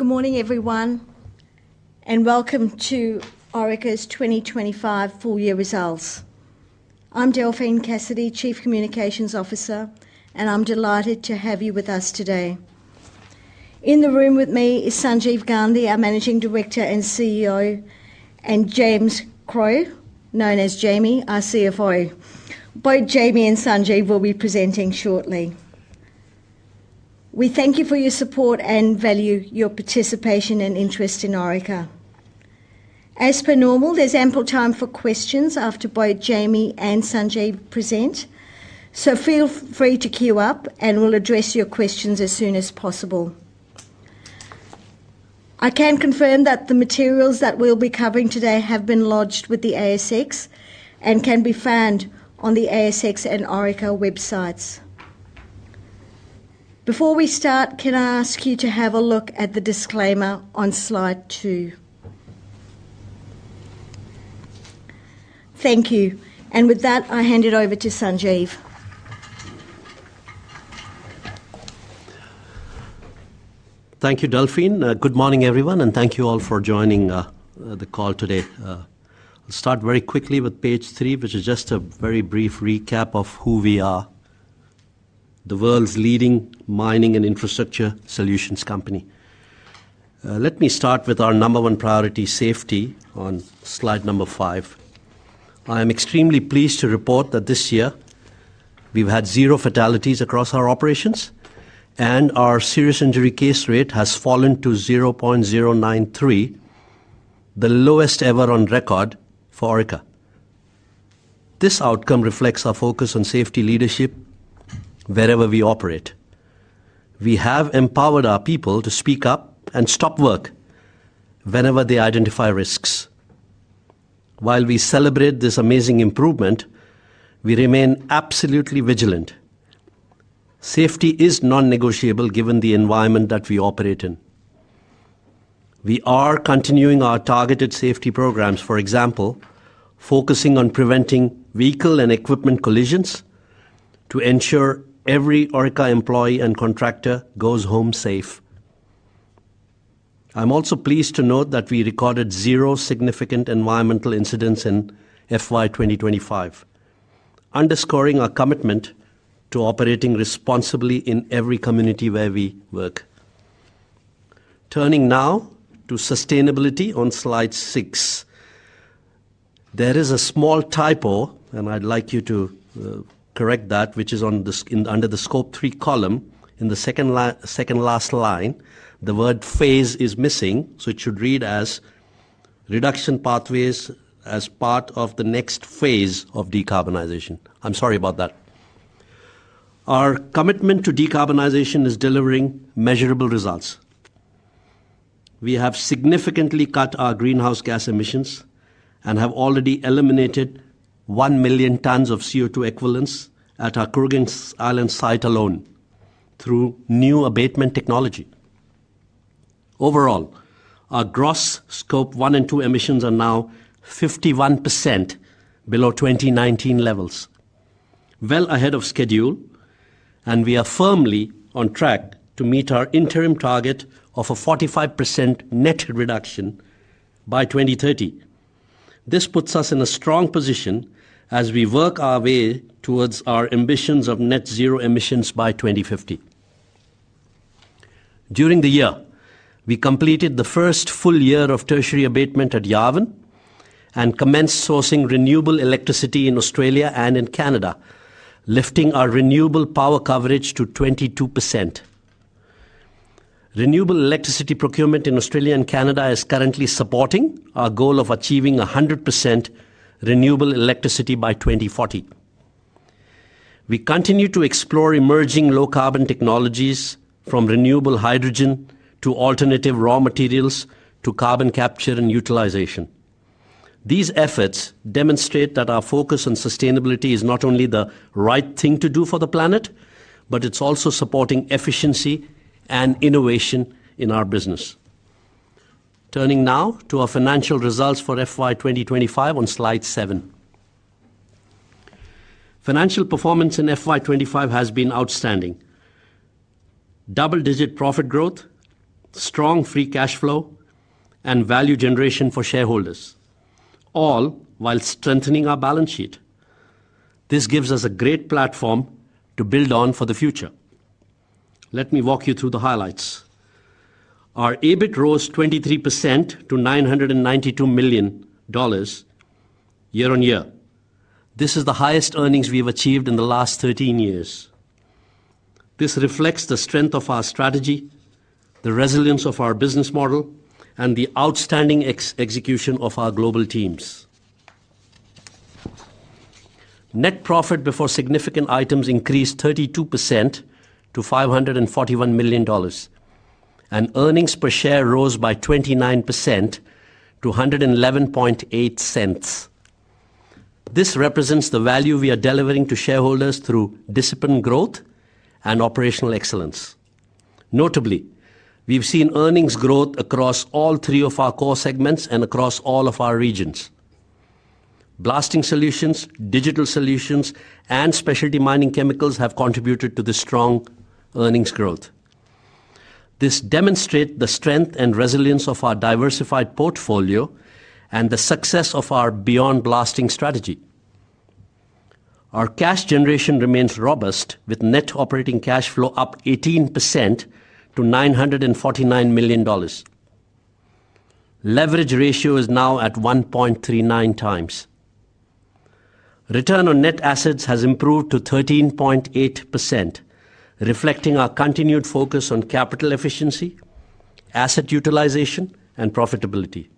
Good morning, everyone, and welcome to Orica's 2025 full-year results. I'm Delphine Cassidy, Chief Communications Officer, and I'm delighted to have you with us today. In the room with me is Sanjeev Gandhi, our Managing Director and CEO, and James Crough, known as Jamie, our CFO. Both Jamie and Sanjeev will be presenting shortly. We thank you for your support and value your participation and interest in Orica. As per normal, there's ample time for questions after both Jamie and Sanjeev present, so feel free to queue up, and we'll address your questions as soon as possible. I can confirm that the materials that we'll be covering today have been lodged with the ASX and can be found on the ASX and Orica websites. Before we start, can I ask you to have a look at the disclaimer on slide two? Thank you. With that, I hand it over to Sanjeev. Thank you, Delphine. Good morning, everyone, and thank you all for joining the call today. I'll start very quickly with page three, which is just a very brief recap of who we are: the world's leading mining and infrastructure solutions company. Let me start with our number one priority, safety, on slide number five. I am extremely pleased to report that this year we've had zero fatalities across our operations, and our serious injury case rate has fallen to 0.093, the lowest ever on record for Orica. This outcome reflects our focus on safety leadership wherever we operate. We have empowered our people to speak up and stop work whenever they identify risks. While we celebrate this amazing improvement, we remain absolutely vigilant. Safety is non-negotiable given the environment that we operate in. We are continuing our targeted safety programs, for example, focusing on preventing vehicle and equipment collisions to ensure every Orica employee and contractor goes home safe. I'm also pleased to note that we recorded zero significant environmental incidents in FY 2025, underscoring our commitment to operating responsibly in every community where we work. Turning now to sustainability on slide six, there is a small typo, and I'd like you to correct that, which is under the scope three column in the second last line. The word "phase" is missing, so it should read as "reduction pathways as part of the next phase of decarbonization." I'm sorry about that. Our commitment to decarbonization is delivering measurable results. We have significantly cut our greenhouse gas emissions and have already eliminated one million tons of CO2 equivalents at our Kooragang Island site alone through new abatement technology. Overall, our gross scope one and two emissions are now 51% below 2019 levels, well ahead of schedule, and we are firmly on track to meet our interim target of a 45% net reduction by 2030. This puts us in a strong position as we work our way towards our ambitions of net zero emissions by 2050. During the year, we completed the first full year of tertiary abatement at Yarwun and commenced sourcing renewable electricity in Australia and in Canada, lifting our renewable power coverage to 22%. Renewable electricity procurement in Australia and Canada is currently supporting our goal of achieving 100% renewable electricity by 2040. We continue to explore emerging low-carbon technologies, from renewable hydrogen to alternative raw materials to carbon capture and utilization. These efforts demonstrate that our focus on sustainability is not only the right thing to do for the planet, but it's also supporting efficiency and innovation in our business. Turning now to our financial results for FY 2025 on slide seven. Financial performance in FY 2025 has been outstanding: double-digit profit growth, strong free cash flow, and value generation for shareholders, all while strengthening our balance sheet. This gives us a great platform to build on for the future. Let me walk you through the highlights. Our EBIT rose 23% to AUD 992 million year-on-year. This is the highest earnings we've achieved in the last 13 years. This reflects the strength of our strategy, the resilience of our business model, and the outstanding execution of our global teams. Net profit before significant items increased 32% to 541 million dollars, and earnings per share rose by 29% to 1.118. This represents the value we are delivering to shareholders through disciplined growth and operational excellence. Notably, we've seen earnings growth across all three of our core segments and across all of our regions. Blasting solutions, digital solutions, and specialty mining chemicals have contributed to the strong earnings growth. This demonstrates the strength and resilience of our diversified portfolio and the success of our Beyond Blasting strategy. Our cash generation remains robust, with net operating cash flow up 18% to 949 million dollars. Leverage ratio is now at 1.39x. Return on net assets has improved to 13.8%, reflecting our continued focus on capital efficiency, asset utilization, and profitability.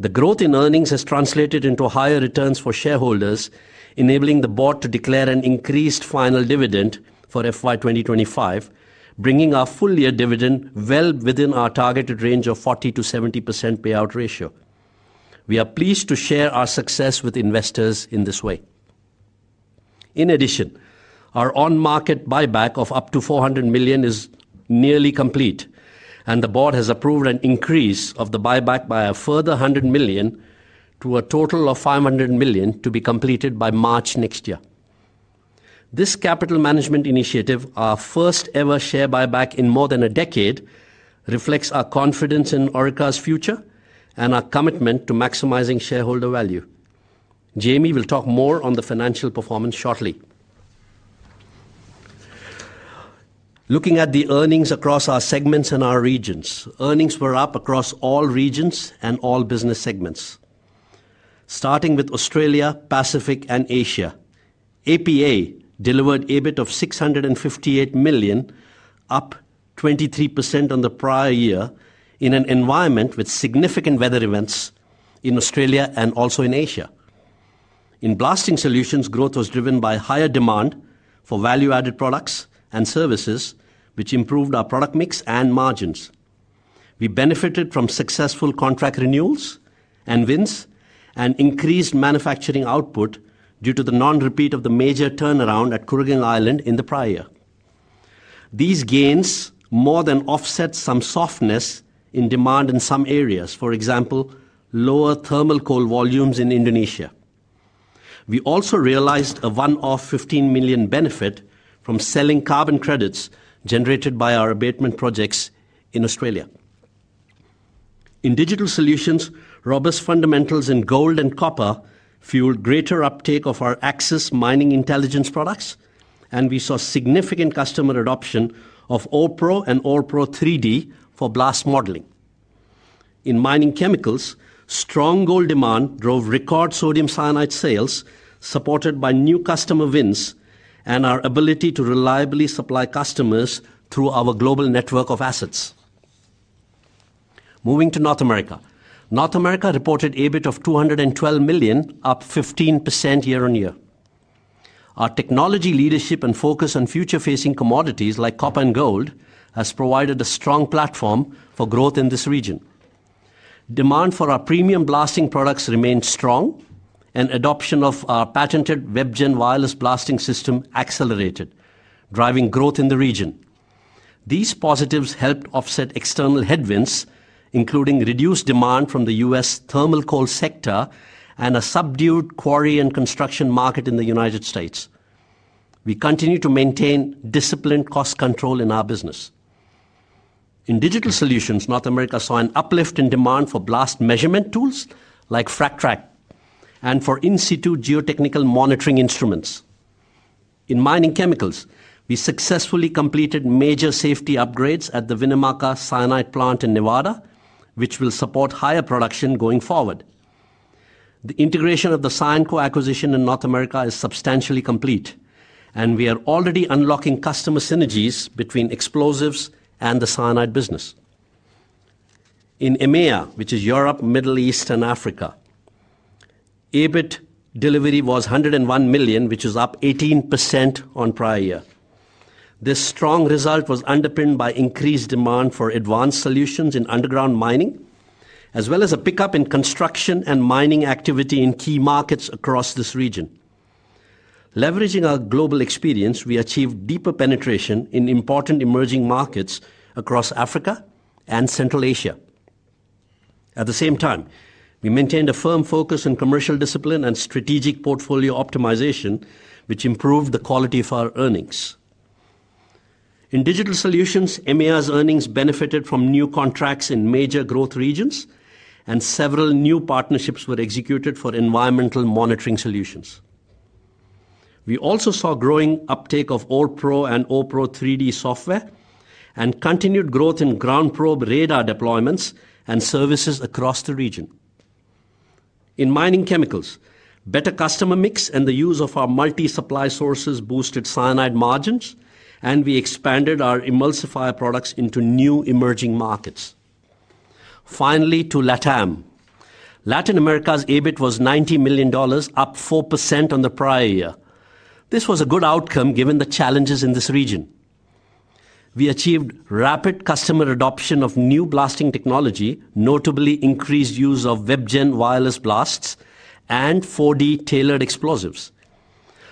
The growth in earnings has translated into higher returns for shareholders, enabling the board to declare an increased final dividend for FY 2025, bringing our full-year dividend well within our targeted range of 40%-70% payout ratio. We are pleased to share our success with investors in this way. In addition, our on-market buyback of up to 400 million is nearly complete, and the board has approved an increase of the buyback by a further 100 million to a total of 500 million to be completed by March next year. This capital management initiative, our first-ever share buyback in more than a decade, reflects our confidence in Orica's future and our commitment to maximizing shareholder value. Jamie will talk more on the financial performance shortly. Looking at the earnings across our segments and our regions, earnings were up across all regions and all business segments. Starting with Australia, Pacific, and Asia, APA delivered EBIT of 658 million, up 23% on the prior year in an environment with significant weather events in Australia and also in Asia. In blasting solutions, growth was driven by higher demand for value-added products and services, which improved our product mix and margins. We benefited from successful contract renewals and wins and increased manufacturing output due to the non-repeat of the major turnaround at Kooragang Island in the prior year. These gains more than offset some softness in demand in some areas, for example, lower thermal coal volumes in Indonesia. We also realized a one-off 15 million benefit from selling carbon credits generated by our abatement projects in Australia. In digital solutions, robust fundamentals in gold and copper fueled greater uptake of our Axis mining intelligence products, and we saw significant customer adoption of OREPro and OREPro 3D for blast modeling. In mining chemicals, strong gold demand drove record sodium cyanide sales, supported by new customer wins and our ability to reliably supply customers through our global network of assets. Moving to North America, North America reported EBIT of 212 million, up 15% year-on-year. Our technology leadership and focus on future-facing commodities like copper and gold has provided a strong platform for growth in this region. Demand for our premium blasting products remained strong, and adoption of our patented WebGen wireless blasting system accelerated, driving growth in the region. These positives helped offset external headwinds, including reduced demand from the U.S. thermal coal sector and a subdued quarry and construction market in the United States. We continue to maintain disciplined cost control in our business. In digital solutions, North America saw an uplift in demand for blast measurement tools like FRAGTrack and for in-situ geotechnical monitoring instruments. In mining chemicals, we successfully completed major safety upgrades at the Winnemucca cyanide plant in Nevada, which will support higher production going forward. The integration of the Cyanco acquisition in North America is substantially complete, and we are already unlocking customer synergies between explosives and the cyanide business. In EMEA, which is Europe, Middle East, and Africa, EBIT delivery was 101 million, which is up 18% on prior year. This strong result was underpinned by increased demand for advanced solutions in underground mining, as well as a pickup in construction and mining activity in key markets across this region. Leveraging our global experience, we achieved deeper penetration in important emerging markets across Africa and Central Asia. At the same time, we maintained a firm focus on commercial discipline and strategic portfolio optimization, which improved the quality of our earnings. In digital solutions, EMEA's earnings benefited from new contracts in major growth regions, and several new partnerships were executed for environmental monitoring solutions. We also saw growing uptake of OREPro and OREPro 3D software and continued growth in GroundProbe radar deployments and services across the region. In mining chemicals, better customer mix and the use of our multi-supply sources boosted cyanide margins, and we expanded our emulsifier products into new emerging markets. Finally, to LATAM. Latin America's EBIT was 90 million dollars, up 4% on the prior year. This was a good outcome given the challenges in this region. We achieved rapid customer adoption of new blasting technology, notably increased use of WebGen wireless blasts and 4D tailored explosives.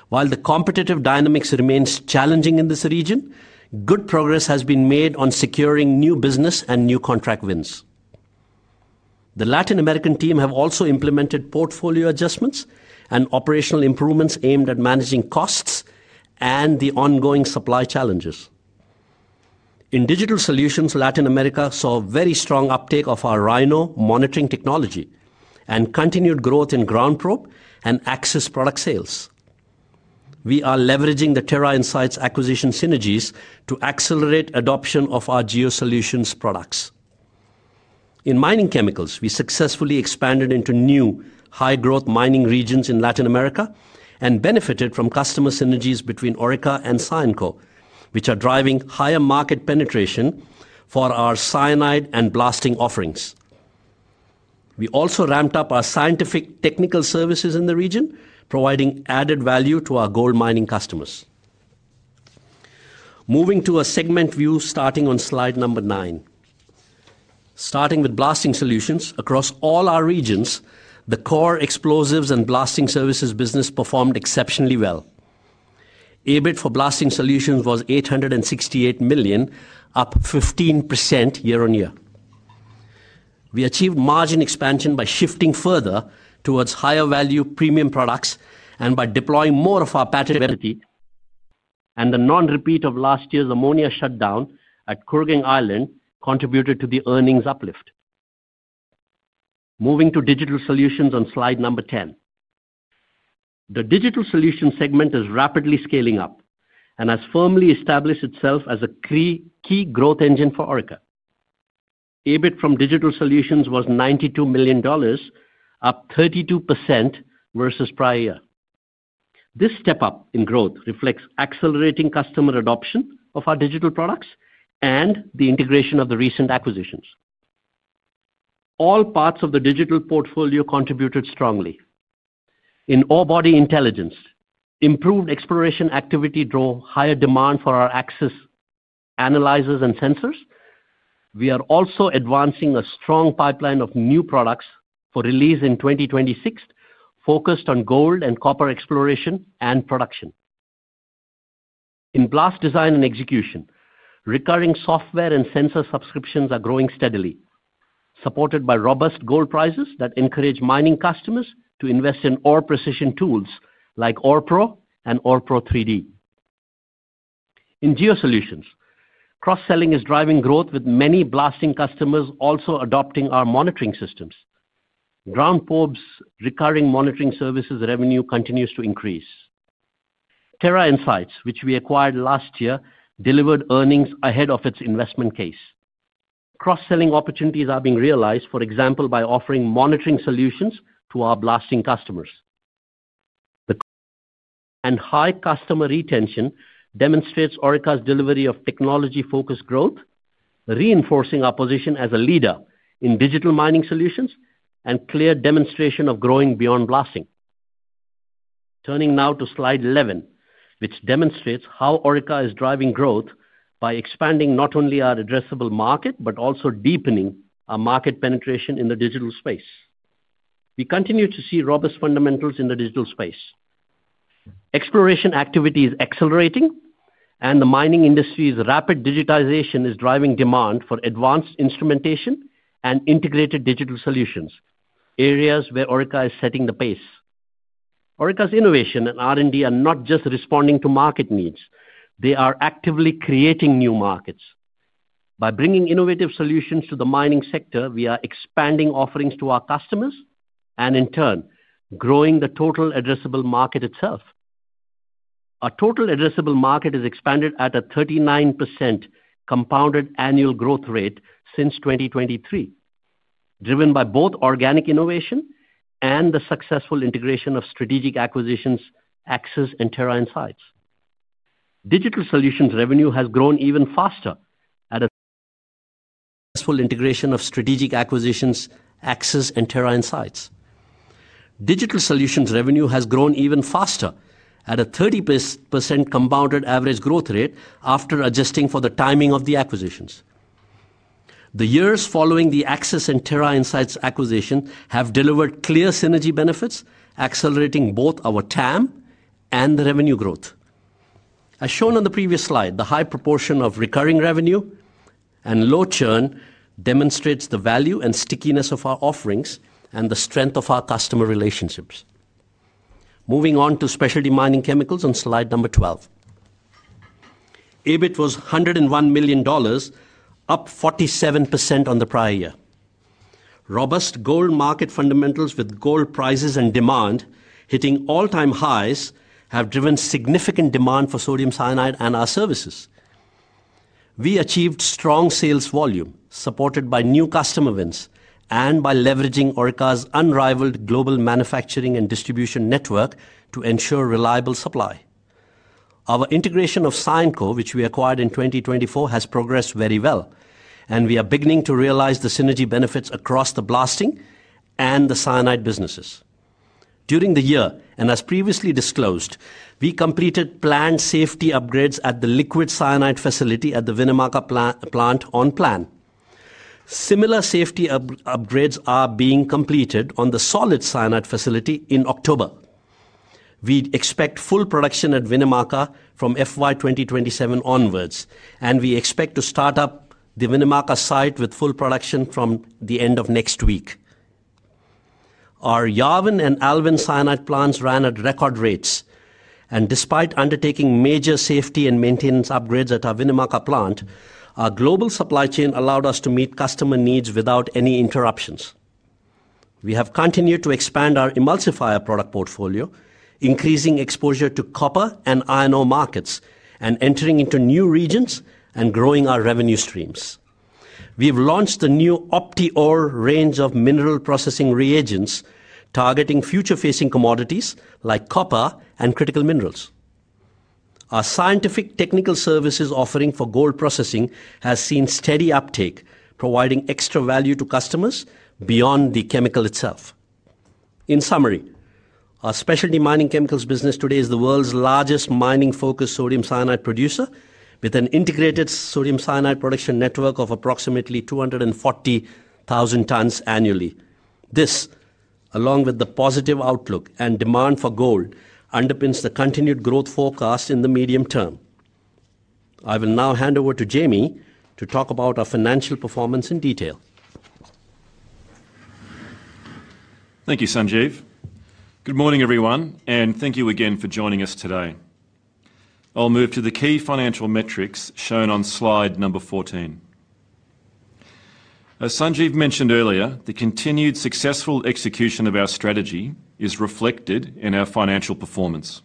While the competitive dynamics remain challenging in this region, good progress has been made on securing new business and new contract wins. The Latin American team has also implemented portfolio adjustments and operational improvements aimed at managing costs and the ongoing supply challenges. In digital solutions, Latin America saw very strong uptake of our Rhino monitoring technology and continued growth in GroundProbe and Axis product sales. We are leveraging the Terra Insights acquisition synergies to accelerate adoption of our geo-solutions products. In mining chemicals, we successfully expanded into new high-growth mining regions in Latin America and benefited from customer synergies between Orica and Cyanco, which are driving higher market penetration for our cyanide and blasting offerings. We also ramped up our scientific technical services in the region, providing added value to our gold mining customers. Moving to a segment view starting on slide number nine. Starting with blasting solutions, across all our regions, the core explosives and blasting services business performed exceptionally well. EBIT for blasting solutions was 868 million, up 15% year-on-year. We achieved margin expansion by shifting further towards higher-value premium products and by deploying more of our patented entities. The non-repeat of last year's ammonia shutdown at Kooragang Island contributed to the earnings uplift. Moving to digital solutions on slide number ten. The digital solutions segment is rapidly scaling up and has firmly established itself as a key growth engine for Orica. EBIT from digital solutions was 92 million dollars, up 32% versus prior year. This step-up in growth reflects accelerating customer adoption of our digital products and the integration of the recent acquisitions. All parts of the digital portfolio contributed strongly. In ore body intelligence, improved exploration activity drove higher demand for our Axis analyzers and sensors. We are also advancing a strong pipeline of new products for release in 2026, focused on gold and copper exploration and production. In blast design and execution, recurring software and sensor subscriptions are growing steadily, supported by robust gold prices that encourage mining customers to invest in ore-precision tools like OREPro and OREPro 3D. In geo-solutions, cross-selling is driving growth, with many blasting customers also adopting our monitoring systems. GroundProbe's recurring monitoring services revenue continues to increase. Terra Insights, which we acquired last year, delivered earnings ahead of its investment case. Cross-selling opportunities are being realized, for example, by offering monitoring solutions to our blasting customers. The high customer retention demonstrates Orica's delivery of technology-focused growth, reinforcing our position as a leader in digital mining solutions and a clear demonstration of growing beyond blasting. Turning now to slide 11, which demonstrates how Orica is driving growth by expanding not only our addressable market but also deepening our market penetration in the digital space. We continue to see robust fundamentals in the digital space. Exploration activity is accelerating, and the mining industry's rapid digitization is driving demand for advanced instrumentation and integrated digital solutions, areas where Orica is setting the pace. Orica's innovation and R&D are not just responding to market needs; they are actively creating new markets. By bringing innovative solutions to the mining sector, we are expanding offerings to our customers and, in turn, growing the total addressable market itself. Our total addressable market has expanded at a 39% compounded annual growth rate since 2023, driven by both organic innovation and the successful integration of strategic acquisitions, Axis, and Terra Insights. Digital solutions revenue has grown even faster at a 30% compounded average growth rate after adjusting for the timing of the acquisitions. The years following the Axis and Terra Insights acquisitions have delivered clear synergy benefits, accelerating both our TAM and the revenue growth. As shown on the previous slide, the high proportion of recurring revenue and low churn demonstrates the value and stickiness of our offerings and the strength of our customer relationships. Moving on to specialty mining chemicals on slide number 12. EBIT was 101 million dollars, up 47% on the prior year. Robust gold market fundamentals with gold prices and demand hitting all-time highs have driven significant demand for sodium cyanide and our services. We achieved strong sales volume, supported by new customer wins and by leveraging Orica's unrivaled global manufacturing and distribution network to ensure reliable supply. Our integration of Cyanco, which we acquired in 2024, has progressed very well, and we are beginning to realize the synergy benefits across the blasting and the cyanide businesses. During the year, and as previously disclosed, we completed planned safety upgrades at the liquid cyanide facility at the Winnemucca plant on plan. Similar safety upgrades are being completed on the solid cyanide facility in October. We expect full production at Winnemucca from FY 2027 onwards, and we expect to start up the Winnemucca site with full production from the end of next week. Our Yarwun and Alvin cyanide plants ran at record rates, and despite undertaking major safety and maintenance upgrades at our Winnemucca plant, our global supply chain allowed us to meet customer needs without any interruptions. We have continued to expand our emulsifier product portfolio, increasing exposure to copper and iron ore markets and entering into new regions and growing our revenue streams. We've launched the new OptiOre range of mineral processing reagents targeting future-facing commodities like copper and critical minerals. Our scientific technical services offering for gold processing has seen steady uptake, providing extra value to customers beyond the chemical itself. In summary, our specialty mining chemicals business today is the world's largest mining-focused sodium cyanide producer, with an integrated sodium cyanide production network of approximately 240,000 tons annually. This, along with the positive outlook and demand for gold, underpins the continued growth forecast in the medium term. I will now hand over to Jamie to talk about our financial performance in detail. Thank you, Sanjeev. Good morning, everyone, and thank you again for joining us today. I'll move to the key financial metrics shown on slide number 14. As Sanjeev mentioned earlier, the continued successful execution of our strategy is reflected in our financial performance.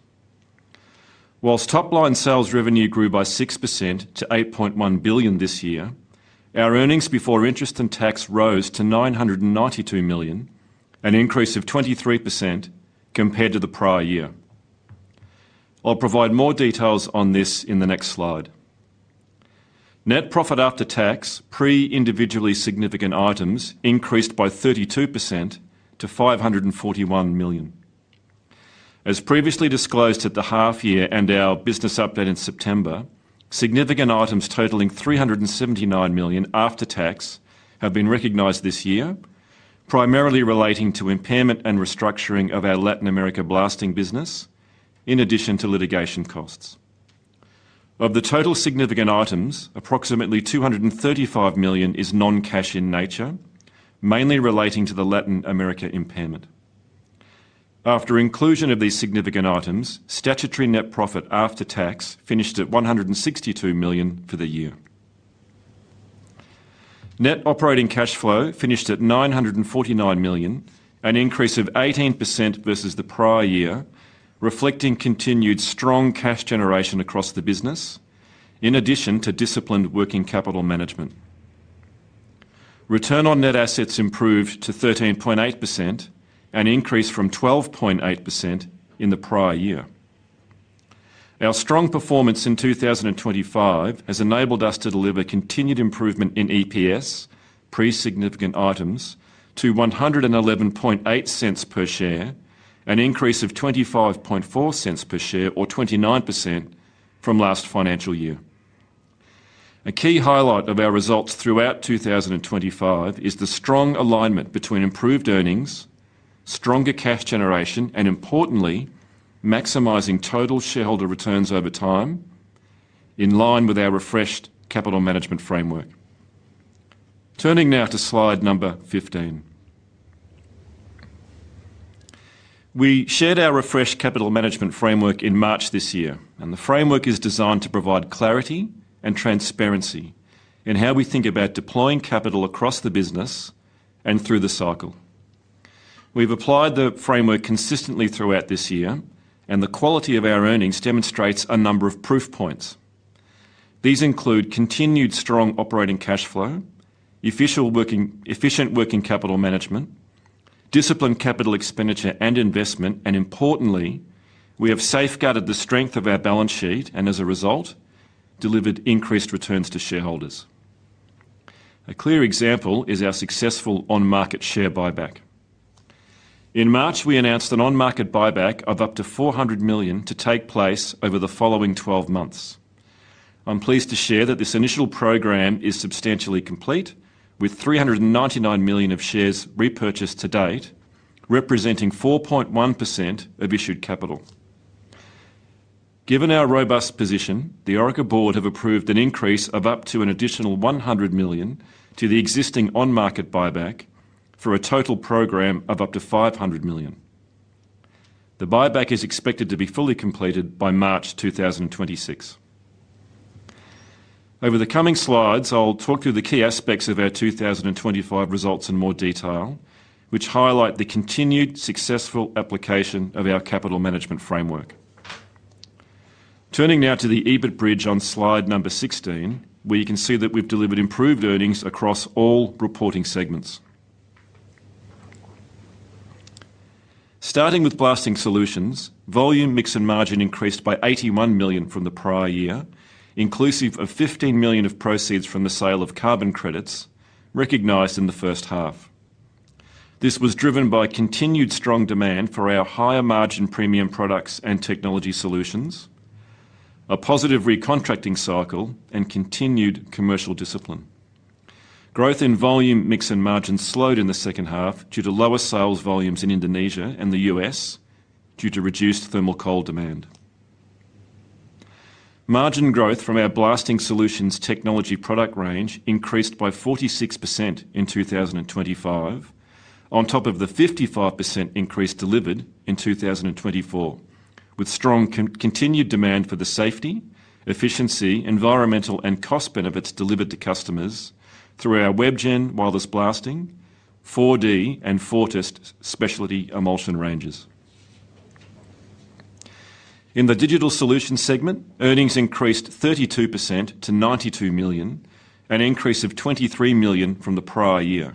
Whilst top-line sales revenue grew by 6% to 8.1 billion this year, our earnings before interest and tax rose to 992 million, an increase of 23% compared to the prior year. I'll provide more details on this in the next slide. Net profit after tax, pre-individually significant items, increased by 32% to 541 million. As previously disclosed at the half-year and our business update in September, significant items totaling 379 million after tax have been recognized this year, primarily relating to impairment and restructuring of our Latin America blasting business, in addition to litigation costs. Of the total significant items, approximately 235 million is non-cash in nature, mainly relating to the Latin America impairment. After inclusion of these significant items, statutory net profit after tax finished at 162 million for the year. Net operating cash flow finished at 949 million, an increase of 18% versus the prior year, reflecting continued strong cash generation across the business, in addition to disciplined working capital management. Return on net assets improved to 13.8%, an increase from 12.8% in the prior year. Our strong performance in 2025 has enabled us to deliver continued improvement in EPS, pre-significant items, to 1.118 per share, an increase of 0.254 per share, or 29% from last financial year. A key highlight of our results throughout 2025 is the strong alignment between improved earnings, stronger cash generation, and, importantly, maximizing total shareholder returns over time, in line with our refreshed capital management framework. Turning now to slide number 15. We shared our refreshed capital management framework in March this year, and the framework is designed to provide clarity and transparency in how we think about deploying capital across the business and through the cycle. We've applied the framework consistently throughout this year, and the quality of our earnings demonstrates a number of proof points. These include continued strong operating cash flow, efficient working capital management, disciplined capital expenditure and investment, and, importantly, we have safeguarded the strength of our balance sheet and, as a result, delivered increased returns to shareholders. A clear example is our successful on-market share buyback. In March, we announced an on-market buyback of up to 400 million to take place over the following 12 months. I'm pleased to share that this initial program is substantially complete, with 399 million of shares repurchased to date, representing 4.1% of issued capital. Given our robust position, the Orica board have approved an increase of up to an additional 100 million to the existing on-market buyback for a total program of up to 500 million. The buyback is expected to be fully completed by March 2026. Over the coming slides, I'll talk through the key aspects of our 2025 results in more detail, which highlight the continued successful application of our capital management framework. Turning now to the EBIT bridge on slide number 16, where you can see that we've delivered improved earnings across all reporting segments. Starting with blasting solutions, volume, mix, and margin increased by 81 million from the prior year, inclusive of 15 million of proceeds from the sale of carbon credits recognized in the first half. This was driven by continued strong demand for our higher margin premium products and technology solutions, a positive recontracting cycle, and continued commercial discipline. Growth in volume, mix, and margin slowed in the second half due to lower sales volumes in Indonesia and the U.S. due to reduced thermal coal demand. Margin growth from our blasting solutions technology product range increased by 46% in 2025, on top of the 55% increase delivered in 2024, with strong continued demand for the safety, efficiency, environmental, and cost benefits delivered to customers through our WebGen, Wireless Blasting, 4D, and Fortis specialty emulsion ranges. In the digital solution segment, earnings increased 32% to 92 million, an increase of 23 million from the prior year.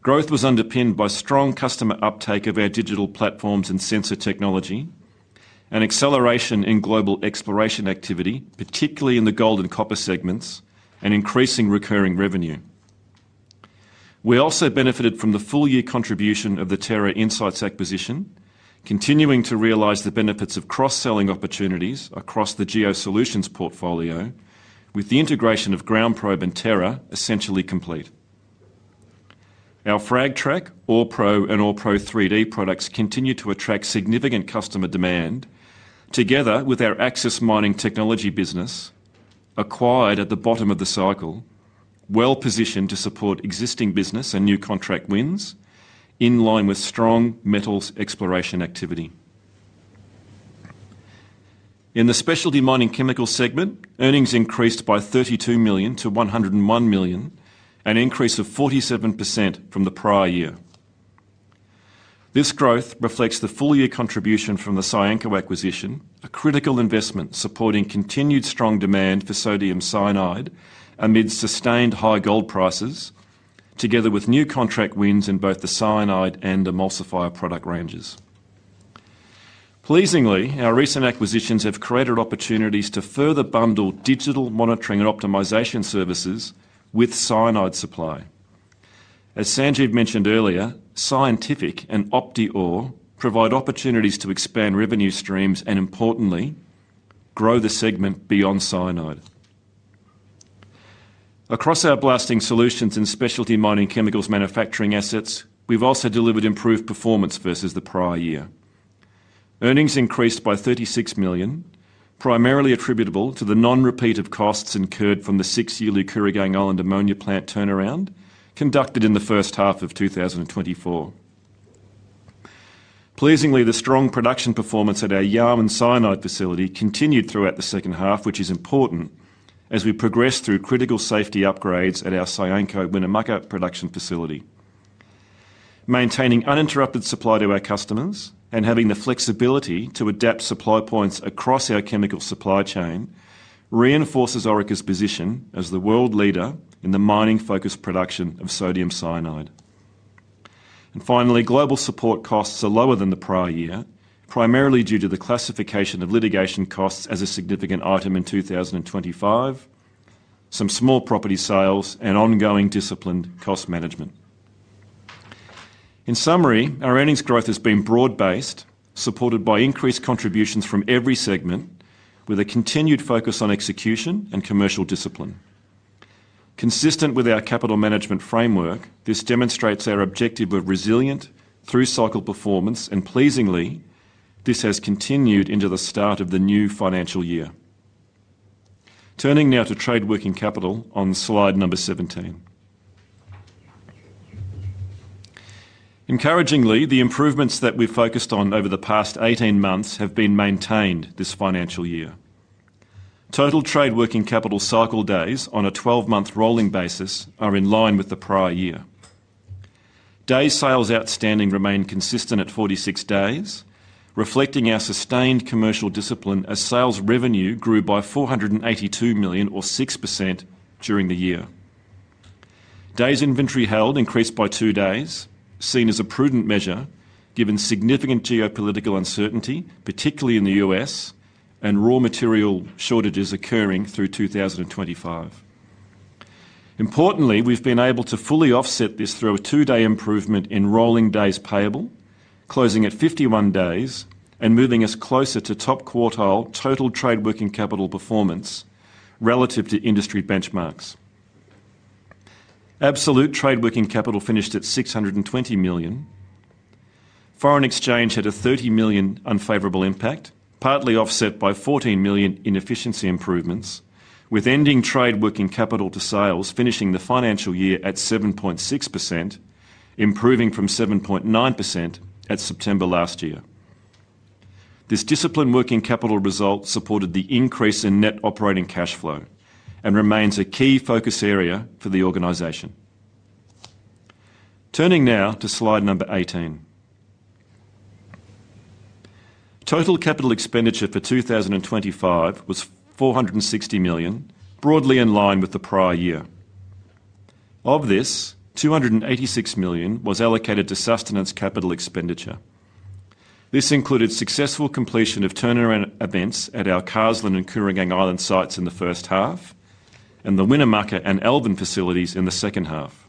Growth was underpinned by strong customer uptake of our digital platforms and sensor technology, an acceleration in global exploration activity, particularly in the gold and copper segments, and increasing recurring revenue. We also benefited from the full-year contribution of the Terra Insights acquisition, continuing to realize the benefits of cross-selling opportunities across the geo solutions portfolio, with the integration of GroundProbe and Terra essentially complete. Our FRAGTrack, OREPro, and OREPro 3D products continue to attract significant customer demand, together with our Axis mining technology business acquired at the bottom of the cycle, well-positioned to support existing business and new contract wins in line with strong metals exploration activity. In the specialty mining chemicals segment, earnings increased by AUD 32 million to AUD 101 million, an increase of 47% from the prior year. This growth reflects the full-year contribution from the Cyanco acquisition, a critical investment supporting continued strong demand for sodium cyanide amid sustained high gold prices, together with new contract wins in both the cyanide and emulsifier product ranges. Pleasingly, our recent acquisitions have created opportunities to further bundle digital monitoring and optimization services with cyanide supply. As Sanjeev mentioned earlier, Scientific and OptiOre provide opportunities to expand revenue streams and, importantly, grow the segment beyond cyanide. Across our blasting solutions and specialty mining chemicals manufacturing assets, we've also delivered improved performance versus the prior year. Earnings increased by 36 million, primarily attributable to the non-repeat of costs incurred from the six-year Kooragang Island ammonia plant turnaround conducted in the first half of 2024. Pleasingly, the strong production performance at our Yarwun cyanide facility continued throughout the second half, which is important as we progressed through critical safety upgrades at our Cyanco Winnemucca production facility. Maintaining uninterrupted supply to our customers and having the flexibility to adapt supply points across our chemical supply chain reinforces Orica's position as the world leader in the mining-focused production of sodium cyanide. Finally, global support costs are lower than the prior year, primarily due to the classification of litigation costs as a significant item in 2025, some small property sales, and ongoing disciplined cost management. In summary, our earnings growth has been broad-based, supported by increased contributions from every segment, with a continued focus on execution and commercial discipline. Consistent with our capital management framework, this demonstrates our objective of resilient through cycle performance, and pleasingly, this has continued into the start of the new financial year. Turning now to trade working capital on slide number 17. Encouragingly, the improvements that we've focused on over the past 18 months have been maintained this financial year. Total trade working capital cycle days on a 12-month rolling basis are in line with the prior year. Days sales outstanding remained consistent at 46 days, reflecting our sustained commercial discipline as sales revenue grew by 482 million, or 6%, during the year. Days inventory held increased by two days, seen as a prudent measure given significant geopolitical uncertainty, particularly in the U.S., and raw material shortages occurring through 2025. Importantly, we've been able to fully offset this through a two-day improvement in rolling days payable, closing at 51 days and moving us closer to top quartile total trade working capital performance relative to industry benchmarks. Absolute trade working capital finished at 620 million. Foreign exchange had a 30 million unfavorable impact, partly offset by 14 million in efficiency improvements, with ending trade working capital to sales finishing the financial year at 7.6%, improving from 7.9% at September last year. This disciplined working capital result supported the increase in net operating cash flow and remains a key focus area for the organization. Turning now to slide number 18. Total capital expenditure for 2025 was 460 million, broadly in line with the prior year. Of this, 286 million was allocated to sustenance capital expenditure. This included successful completion of turnaround events at our Carseland and Kooragang Island sites in the first half and the Winnemucca and Alvin facilities in the second half.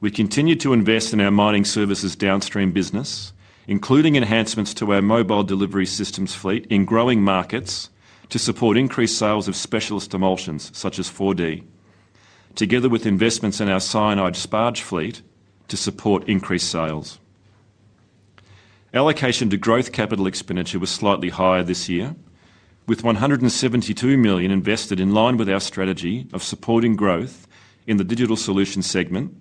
We continued to invest in our mining services downstream business, including enhancements to our mobile delivery systems fleet in growing markets to support increased sales of specialist emulsions such as 4D, together with investments in our Cyanide Sparge fleet to support increased sales. Allocation to growth capital expenditure was slightly higher this year, with 172 million invested in line with our strategy of supporting growth in the digital solution segment,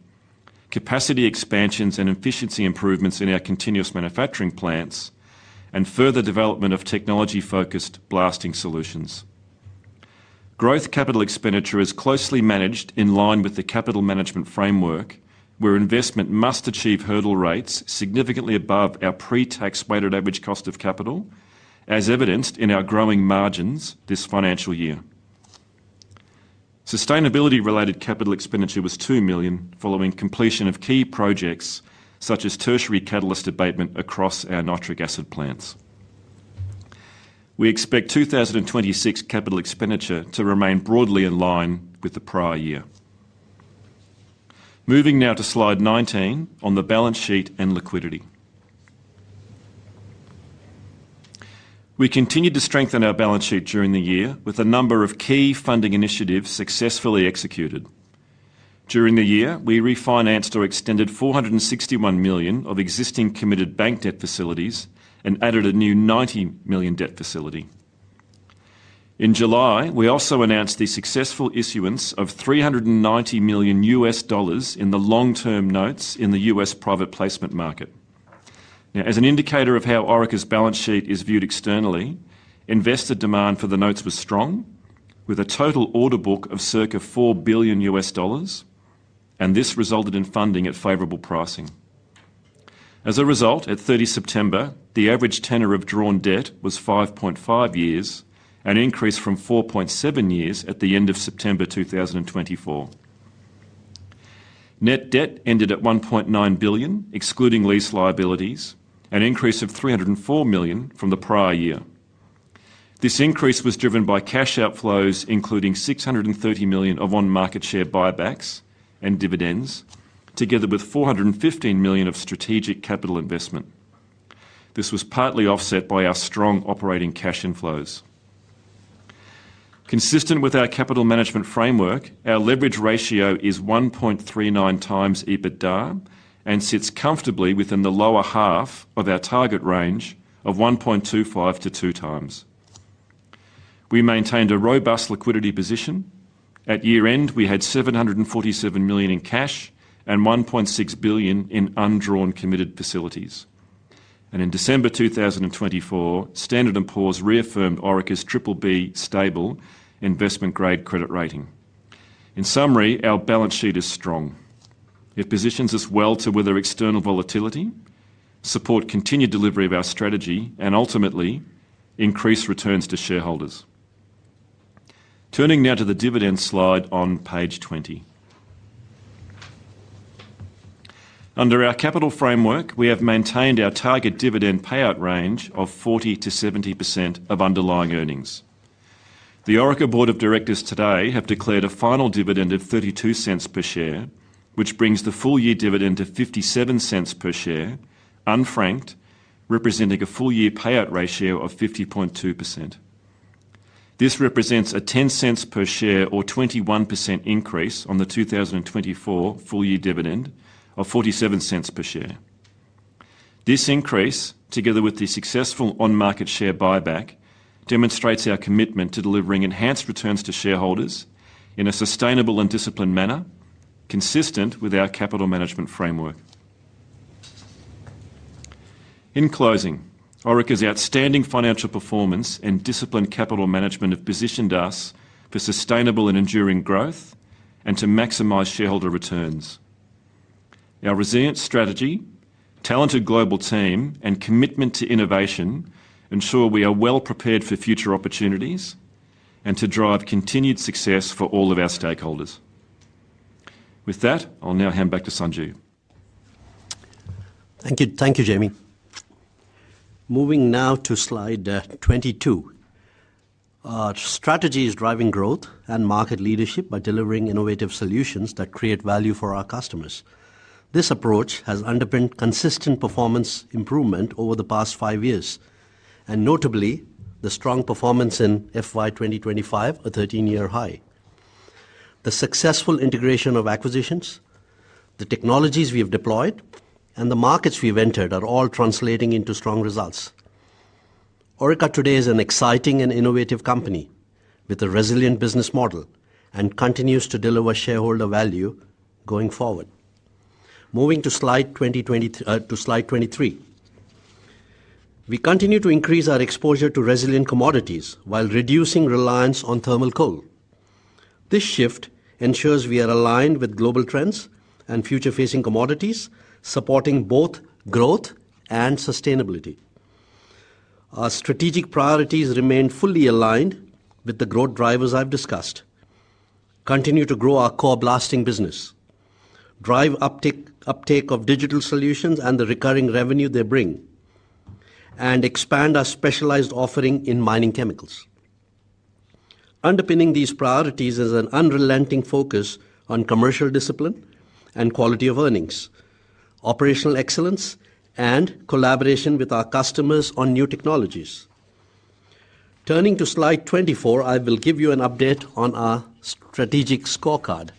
capacity expansions and efficiency improvements in our continuous manufacturing plants, and further development of technology-focused blasting solutions. Growth capital expenditure is closely managed in line with the capital management framework, where investment must achieve hurdle rates significantly above our pre-tax weighted average cost of capital, as evidenced in our growing margins this financial year. Sustainability-related capital expenditure was 2 million following completion of key projects such as tertiary catalyst abatement across our nitric acid plants. We expect 2026 capital expenditure to remain broadly in line with the prior year. Moving now to slide 19 on the balance sheet and liquidity. We continued to strengthen our balance sheet during the year with a number of key funding initiatives successfully executed. During the year, we refinanced or extended 461 million of existing committed bank debt facilities and added a new 90 million debt facility. In July, we also announced the successful issuance of AUD 390 million in long-term notes in the U.S. private placement market. Now, as an indicator of how Orica's balance sheet is viewed externally, investor demand for the notes was strong, with a total order book of circa AUD 4 billion, and this resulted in funding at favorable pricing. As a result, at 30 September, the average tenor of drawn debt was 5.5 years, an increase from 4.7 years at the end of September 2024. Net debt ended at 1.9 billion, excluding lease liabilities, an increase of 304 million from the prior year. This increase was driven by cash outflows, including 630 million of on-market share buybacks and dividends, together with 415 million of strategic capital investment. This was partly offset by our strong operating cash inflows. Consistent with our capital management framework, our leverage ratio is 1.39x EBITDA and sits comfortably within the lower half of our target range of 1.25x-2x. We maintained a robust liquidity position. At year-end, we had 747 million in cash and 1.6 billion in undrawn committed facilities. In December 2024, Standard and Poor's reaffirmed Orica's BBB stable investment-grade credit rating. In summary, our balance sheet is strong. It positions us well to weather external volatility, support continued delivery of our strategy, and ultimately, increase returns to shareholders. Turning now to the dividend slide on page 20. Under our capital framework, we have maintained our target dividend payout range of 40%-70% of underlying earnings. The Orica Board of Directors today have declared a final dividend of 0.32 per share, which brings the full-year dividend to 0.57 per share, unfranked, representing a full-year payout ratio of 50.2%. This represents a 0.10 per share or 21% increase on the 2024 full-year dividend of 0.47 per share. This increase, together with the successful on-market share buyback, demonstrates our commitment to delivering enhanced returns to shareholders in a sustainable and disciplined manner, consistent with our capital management framework. In closing, Orica's outstanding financial performance and disciplined capital management have positioned us for sustainable and enduring growth and to maximize shareholder returns. Our resilient strategy, talented global team, and commitment to innovation ensure we are well-prepared for future opportunities and to drive continued success for all of our stakeholders. With that, I'll now hand back to Sanjeev. Thank you, Jamie. Moving now to slide 22. Our strategy is driving growth and market leadership by delivering innovative solutions that create value for our customers. This approach has underpinned consistent performance improvement over the past five years, and notably, the strong performance in FY 2025, a 13-year high. The successful integration of acquisitions, the technologies we have deployed, and the markets we've entered are all translating into strong results. Orica today is an exciting and innovative company with a resilient business model and continues to deliver shareholder value going forward. Moving to slide 23, we continue to increase our exposure to resilient commodities while reducing reliance on thermal coal. This shift ensures we are aligned with global trends and future-facing commodities, supporting both growth and sustainability. Our strategic priorities remain fully aligned with the growth drivers I've discussed. Continue to grow our core blasting business, drive uptake of digital solutions and the recurring revenue they bring, and expand our specialized offering in mining chemicals. Underpinning these priorities is an unrelenting focus on commercial discipline and quality of earnings, operational excellence, and collaboration with our customers on new technologies. Turning to slide 24, I will give you an update on our strategic scorecard.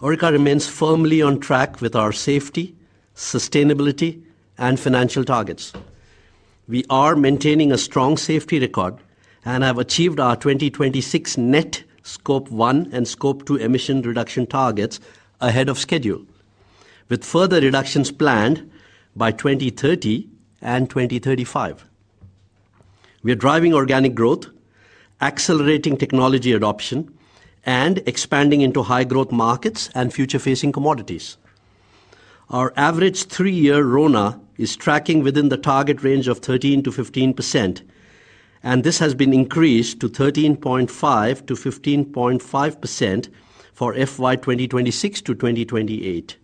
Orica remains firmly on track with our safety, sustainability, and financial targets. We are maintaining a strong safety record and have achieved our 2026 net scope one and scope two emission reduction targets ahead of schedule, with further reductions planned by 2030 and 2035. We are driving organic growth, accelerating technology adoption, and expanding into high-growth markets and future-facing commodities. Our average three-year RONA is tracking within the target range of 13%-15%, and this has been increased to 13.5%-15.5% for FY 2026-2028.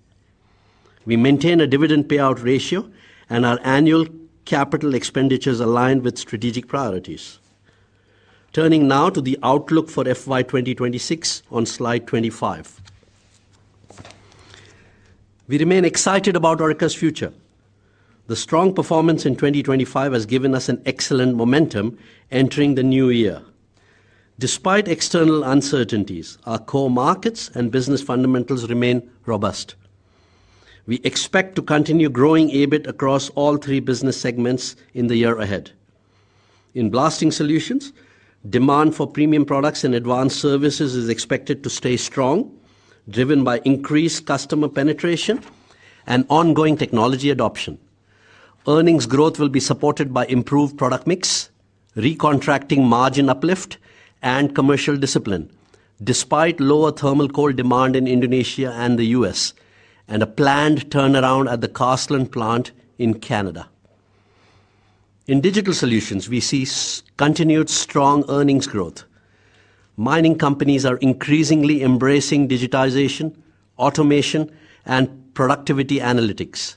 We maintain a dividend payout ratio, and our annual capital expenditures align with strategic priorities. Turning now to the outlook for FY 2026 on slide 25. We remain excited about Orica's future. The strong performance in 2025 has given us excellent momentum entering the new year. Despite external uncertainties, our core markets and business fundamentals remain robust. We expect to continue growing EBIT across all three business segments in the year ahead. In blasting solutions, demand for premium products and advanced services is expected to stay strong, driven by increased customer penetration and ongoing technology adoption. Earnings growth will be supported by improved product mix, recontracting margin uplift, and commercial discipline, despite lower thermal coal demand in Indonesia and the U.S., and a planned turnaround at the Carseland plant in Canada. In digital solutions, we see continued strong earnings growth. Mining companies are increasingly embracing digitization, automation, and productivity analytics.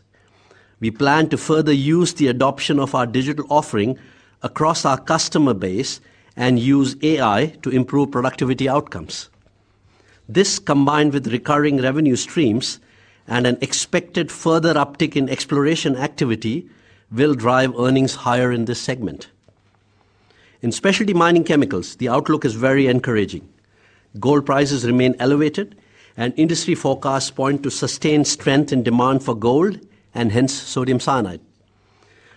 We plan to further use the adoption of our digital offering across our customer base and use AI to improve productivity outcomes. This, combined with recurring revenue streams and an expected further uptick in exploration activity, will drive earnings higher in this segment. In specialty mining chemicals, the outlook is very encouraging. Gold prices remain elevated, and industry forecasts point to sustained strength in demand for gold and hence sodium cyanide.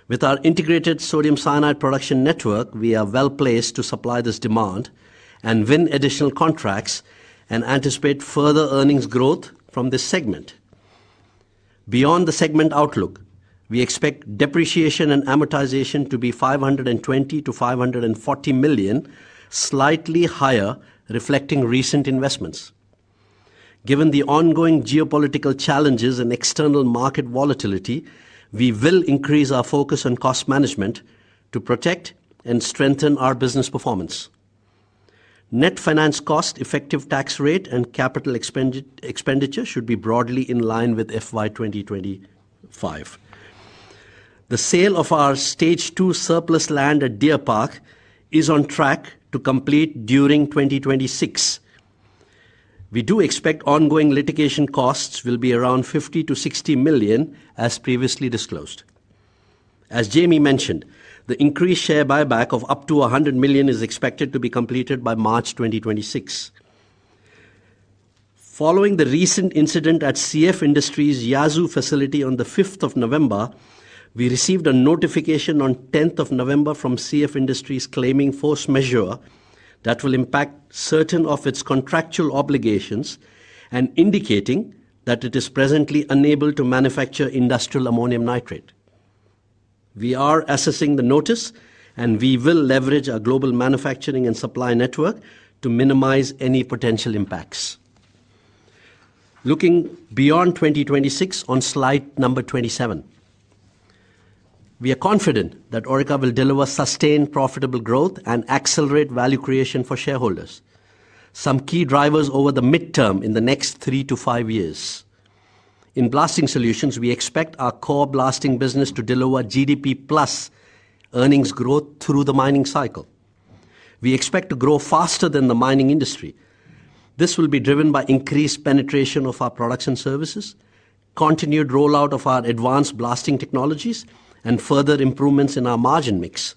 With our integrated sodium cyanide production network, we are well placed to supply this demand and win additional contracts and anticipate further earnings growth from this segment. Beyond the segment outlook, we expect depreciation and amortization to be 520 million-540 million, slightly higher, reflecting recent investments. Given the ongoing geopolitical challenges and external market volatility, we will increase our focus on cost management to protect and strengthen our business performance. Net finance cost, effective tax rate, and capital expenditure should be broadly in line with FY 2025. The sale of our stage two surplus land at Deer Park is on track to complete during 2026. We do expect ongoing litigation costs will be around 50 million-60 million, as previously disclosed. As Jamie mentioned, the increased share buyback of up to 100 million is expected to be completed by March 2026. Following the recent incident at CF Industries' Yazoo facility on the 5th of November, we received a notification on the 10th of November from CF Industries claiming force majeure that will impact certain of its contractual obligations and indicating that it is presently unable to manufacture industrial ammonium nitrate. We are assessing the notice, and we will leverage our global manufacturing and supply network to minimize any potential impacts. Looking beyond 2026 on slide number 27, we are confident that Orica will deliver sustained profitable growth and accelerate value creation for shareholders, some key drivers over the midterm in the next three to five years. In blasting solutions, we expect our core blasting business to deliver GDP plus earnings growth through the mining cycle. We expect to grow faster than the mining industry. This will be driven by increased penetration of our products and services, continued rollout of our advanced blasting technologies, and further improvements in our margin mix.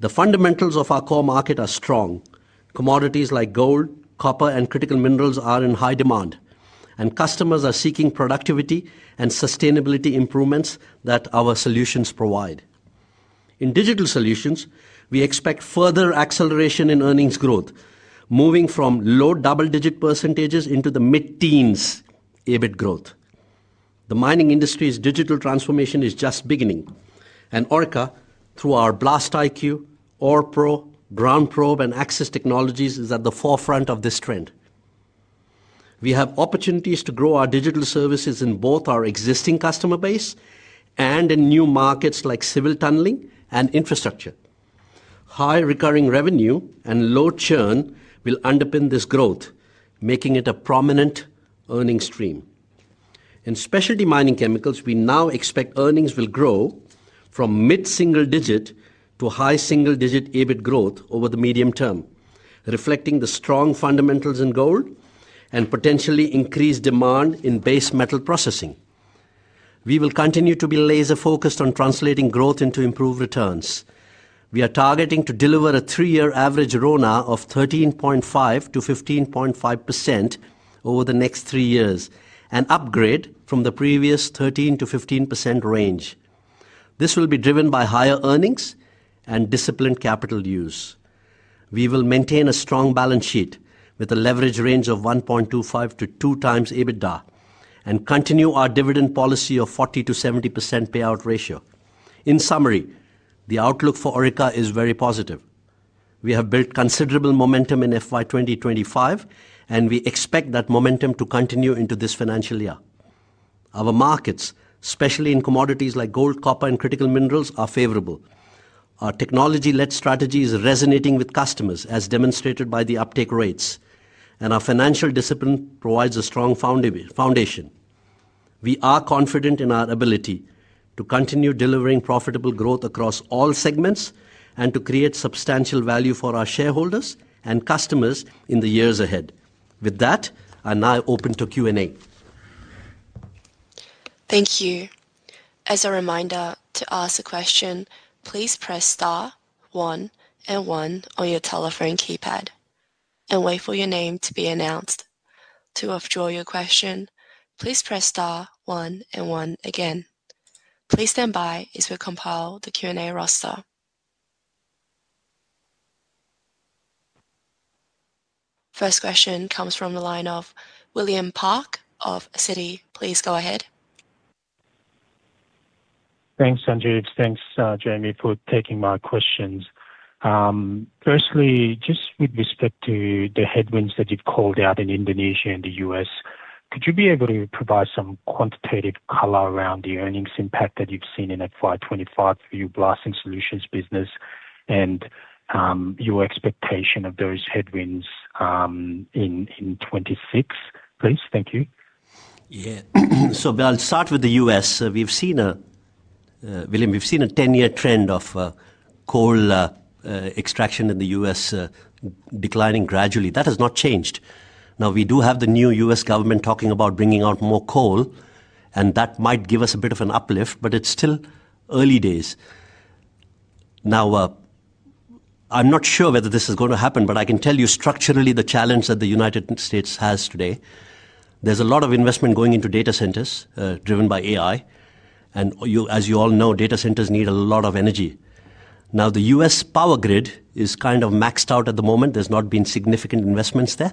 The fundamentals of our core market are strong. Commodities like gold, copper, and critical minerals are in high demand, and customers are seeking productivity and sustainability improvements that our solutions provide. In digital solutions, we expect further acceleration in earnings growth, moving from low double-digit percentages into the mid-teens EBIT growth. The mining industry's digital transformation is just beginning, and Orica, through our BlastIQ, orepro, GroundProbe, and Axis technologies, is at the forefront of this trend. We have opportunities to grow our digital services in both our existing customer base and in new markets like civil tunneling and infrastructure. High recurring revenue and low churn will underpin this growth, making it a prominent earnings stream. In specialty mining chemicals, we now expect earnings will grow from mid-single-digit to high single-digit EBIT growth over the medium term, reflecting the strong fundamentals in gold and potentially increased demand in base metal processing. We will continue to be laser-focused on translating growth into improved returns. We are targeting to deliver a three-year average RONA of 13.5%-15.5% over the next three years, an upgrade from the previous 13%-15% range. This will be driven by higher earnings and disciplined capital use. We will maintain a strong balance sheet with a leverage range of 1.25x-2x EBITDA and continue our dividend policy of 40%-70% payout ratio. In summary, the outlook for Orica is very positive. We have built considerable momentum in FY 2025, and we expect that momentum to continue into this financial year. Our markets, especially in commodities like gold, copper, and critical minerals, are favorable. Our technology-led strategy is resonating with customers, as demonstrated by the uptake rates, and our financial discipline provides a strong foundation. We are confident in our ability to continue delivering profitable growth across all segments and to create substantial value for our shareholders and customers in the years ahead. With that, I'm now open to Q&A. Thank you. As a reminder, to ask a question, please press star, one, and one on your telephone keypad and wait for your name to be announced. To withdraw your question, please press star, one, and one again. Please stand by as we compile the Q&A roster. First question comes from the line of William Park of Citi. Please go ahead. Thanks, Sanjeev. Thanks, Jamie, for taking my questions. Firstly, just with respect to the headwinds that you've called out in Indonesia and the U.S., could you be able to provide some quantitative color around the earnings impact that you've seen in FY 2025 for your blasting solutions business and your expectation of those headwinds in 2026? Please, thank you. Yeah. So I'll start with the U.S.. We've seen a, William, we've seen a 10-year trend of coal extraction in the U.S. declining gradually. That has not changed. Now, we do have the new U.S. government talking about bringing out more coal, and that might give us a bit of an uplift, but it's still early days. Now, I'm not sure whether this is going to happen, but I can tell you structurally the challenge that the United States has today. There's a lot of investment going into data centers driven by AI. As you all know, data centers need a lot of energy. The U.S. power grid is kind of maxed out at the moment. There has not been significant investment there,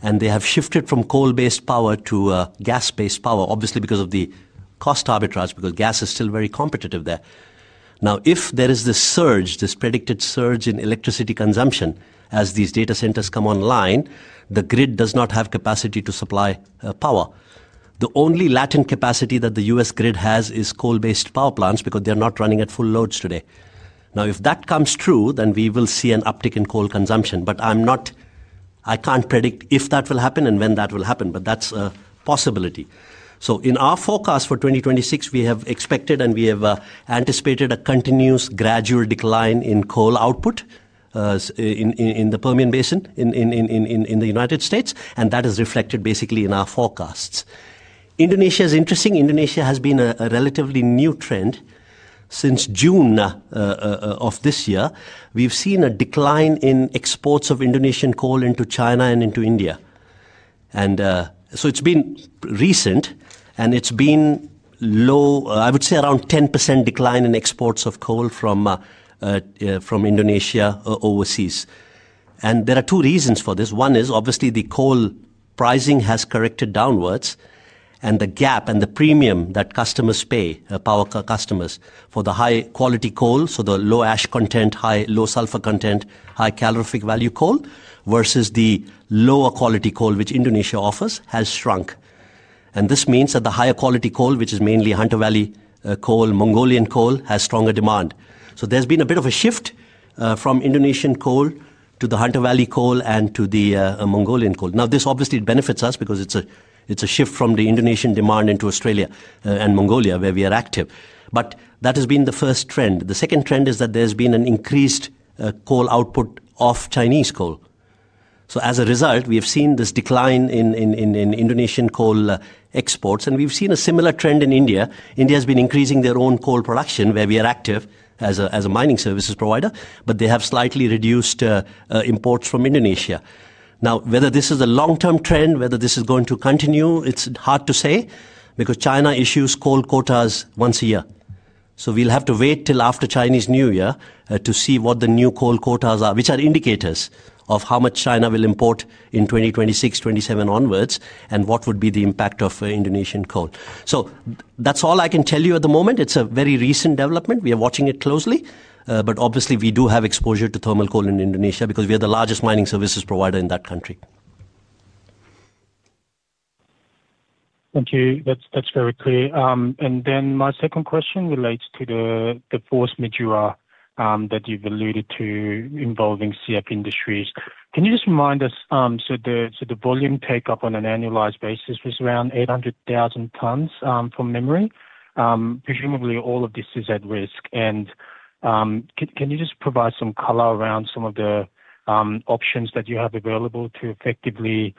and they have shifted from coal-based power to gas-based power, obviously because of the cost arbitrage, because gas is still very competitive there. Now, if there is this surge, this predicted surge in electricity consumption as these data centers come online, the grid does not have capacity to supply power. The only latent capacity that the U.S. grid has is coal-based power plants because they are not running at full loads today. If that comes true, then we will see an uptick in coal consumption. I cannot predict if that will happen and when that will happen, but that is a possibility. In our forecast for 2026, we have expected and we have anticipated a continuous gradual decline in coal output in the Permian Basin in the United States, and that is reflected basically in our forecasts. Indonesia is interesting. Indonesia has been a relatively new trend since June of this year. We've seen a decline in exports of Indonesian coal into China and into India. It has been recent, and it has been low, I would say around 10% decline in exports of coal from Indonesia overseas. There are two reasons for this. One is obviously the coal pricing has corrected downwards, and the gap and the premium that customers pay, power customers, for the high-quality coal, so the low ash content, low sulfur content, high calorific value coal versus the lower quality coal which Indonesia offers has shrunk. This means that the higher quality coal, which is mainly Hunter Valley coal and Mongolian coal, has stronger demand. There has been a bit of a shift from Indonesian coal to the Hunter Valley coal and to the Mongolian coal. This obviously benefits us because it is a shift from the Indonesian demand into Australia and Mongolia where we are active. That has been the first trend. The second trend is that there has been an increased coal output of Chinese coal. As a result, we have seen this decline in Indonesian coal exports, and we have seen a similar trend in India. India has been increasing their own coal production where we are active as a mining services provider, but they have slightly reduced imports from Indonesia. Now, whether this is a long-term trend, whether this is going to continue, it's hard to say because China issues coal quotas once a year. We will have to wait till after Chinese New Year to see what the new coal quotas are, which are indicators of how much China will import in 2026, 2027 onwards, and what would be the impact of Indonesian coal. That is all I can tell you at the moment. It is a very recent development. We are watching it closely, but obviously we do have exposure to thermal coal in Indonesia because we are the largest mining services provider in that country. Thank you. That is very clear. My second question relates to the force majeure that you have alluded to involving CF Industries. Can you just remind us, the volume take-up on an annualized basis was around 800,000 tons from memory. Presumably, all of this is at risk. Can you just provide some color around some of the options that you have available to effectively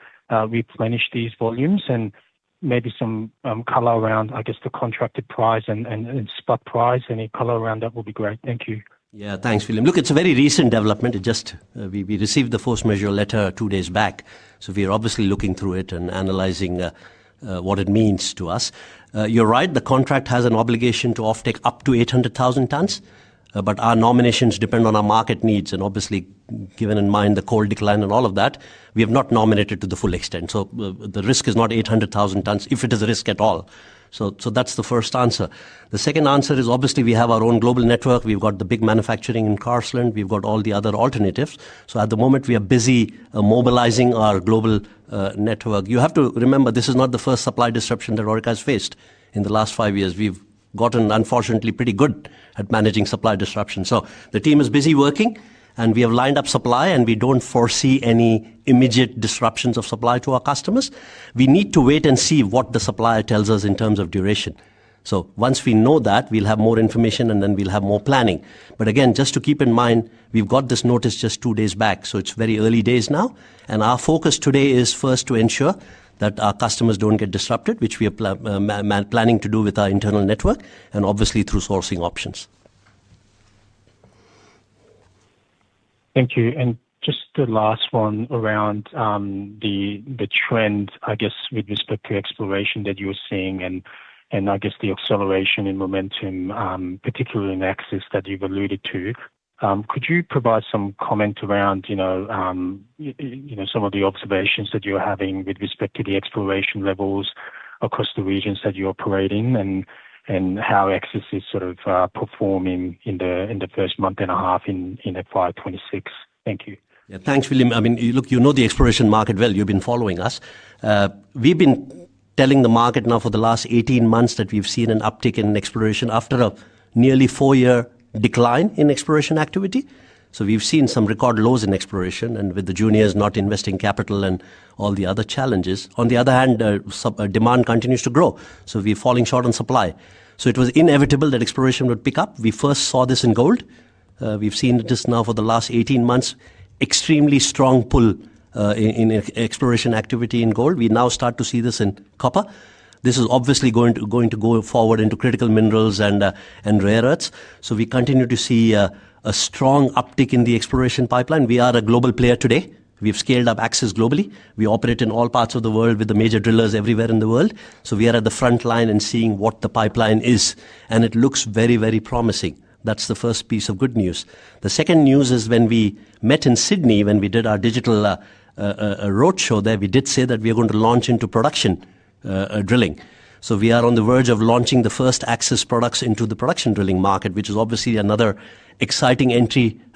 replenish these volumes and maybe some color around, I guess, the contracted price and spot price? Any color around that would be great. Thank you. Yeah, thanks, William. Look, it's a very recent development. We received the force majeure letter two days back. We are obviously looking through it and analyzing what it means to us. You're right. The contract has an obligation to offtake up to 800,000 tons, but our nominations depend on our market needs. Obviously, given in mind the coal decline and all of that, we have not nominated to the full extent. The risk is not 800,000 tons if it is a risk at all. That's the first answer. The second answer is obviously we have our own global network. We've got the big manufacturing in Carseland. We've got all the other alternatives. At the moment, we are busy mobilizing our global network. You have to remember, this is not the first supply disruption that Orica has faced in the last five years. We've gotten, unfortunately, pretty good at managing supply disruption. The team is busy working, and we have lined up supply, and we don't foresee any immediate disruptions of supply to our customers. We need to wait and see what the supplier tells us in terms of duration. Once we know that, we'll have more information, and then we'll have more planning. Again, just to keep in mind, we've got this notice just two days back, so it is very early days now. Our focus today is first to ensure that our customers do not get disrupted, which we are planning to do with our internal network and obviously through sourcing options. Thank you. Just the last one around the trend, I guess, with respect to exploration that you are seeing and the acceleration in momentum, particularly in Axis that you have alluded to. Could you provide some comment around some of the observations that you are having with respect to the exploration levels across the regions that you operate in and how Axis is sort of performing in the first month and a half in FY 2026? Thank you. Yeah, thanks, William. I mean, look, you know the exploration market well. You have been following us. We have been telling the market now for the last 18 months that we have seen an uptick in exploration after a nearly four-year decline in exploration activity. We've seen some record lows in exploration and with the juniors not investing capital and all the other challenges. On the other hand, demand continues to grow. We're falling short on supply. It was inevitable that exploration would pick up. We first saw this in gold. We've seen this now for the last 18 months, extremely strong pull in exploration activity in gold. We now start to see this in copper. This is obviously going to go forward into critical minerals and rare earths. We continue to see a strong uptick in the exploration pipeline. We are a global player today. We've scaled up Axis globally. We operate in all parts of the world with the major drillers everywhere in the world. We are at the front line and seeing what the pipeline is. It looks very, very promising. That's the first piece of good news. The second news is when we met in Sydney when we did our digital roadshow there, we did say that we are going to launch into production drilling. We are on the verge of launching the first Axis products into the production drilling market, which is obviously another exciting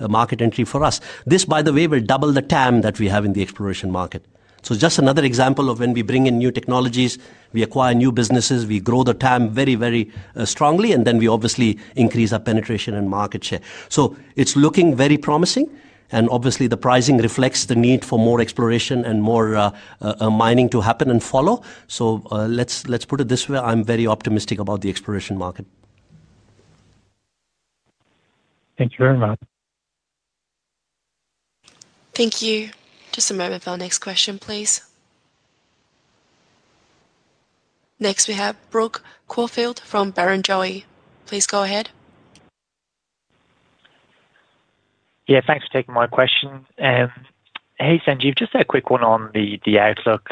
market entry for us. This, by the way, will double the TAM that we have in the exploration market. Just another example of when we bring in new technologies, we acquire new businesses, we grow the TAM very, very strongly, and then we obviously increase our penetration and market share. It's looking very promising. Obviously, the pricing reflects the need for more exploration and more mining to happen and follow. Let's put it this way. I'm very optimistic about the exploration market. Thank you very much. Thank you. Just a moment for our next question, please. Next, we have Brooke Corfield from Barrenjoey. Please go ahead. Yeah, thanks for taking my question. Hey, Sanjeev, just a quick one on the outlook.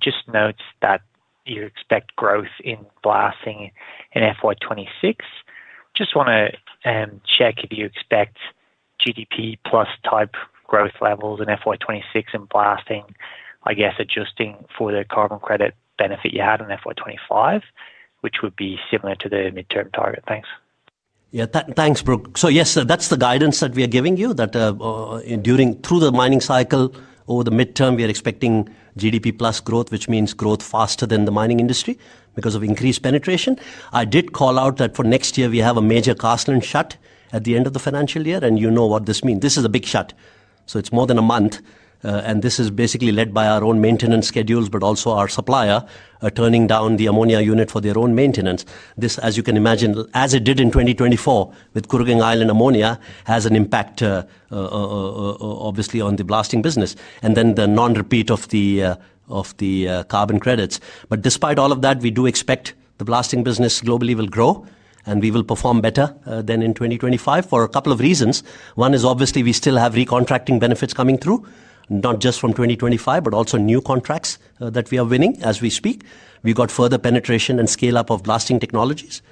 Just notes that you expect growth in blasting in FY 2026. Just want to check if you expect GDP plus type growth levels in FY 2026 in blasting, I guess, adjusting for the carbon credit benefit you had in FY 2025, which would be similar to the midterm target. Thanks. Yeah, thanks, Brooke. So yes, that's the guidance that we are giving you that through the mining cycle over the midterm, we are expecting GDP plus growth, which means growth faster than the mining industry because of increased penetration. I did call out that for next year, we have a major Carseland shut at the end of the financial year, and you know what this means. This is a big shut. It is more than a month, and this is basically led by our own maintenance schedules, but also our supplier turning down the ammonia unit for their own maintenance. This, as you can imagine, as it did in 2024 with Kooragang Island ammonia, has an impact obviously on the blasting business and then the non-repeat of the carbon credits. Despite all of that, we do expect the blasting business globally will grow and we will perform better than in 2025 for a couple of reasons. One is obviously we still have recontracting benefits coming through, not just from 2025, but also new contracts that we are winning as we speak. We have further penetration and scale-up of blasting technologies.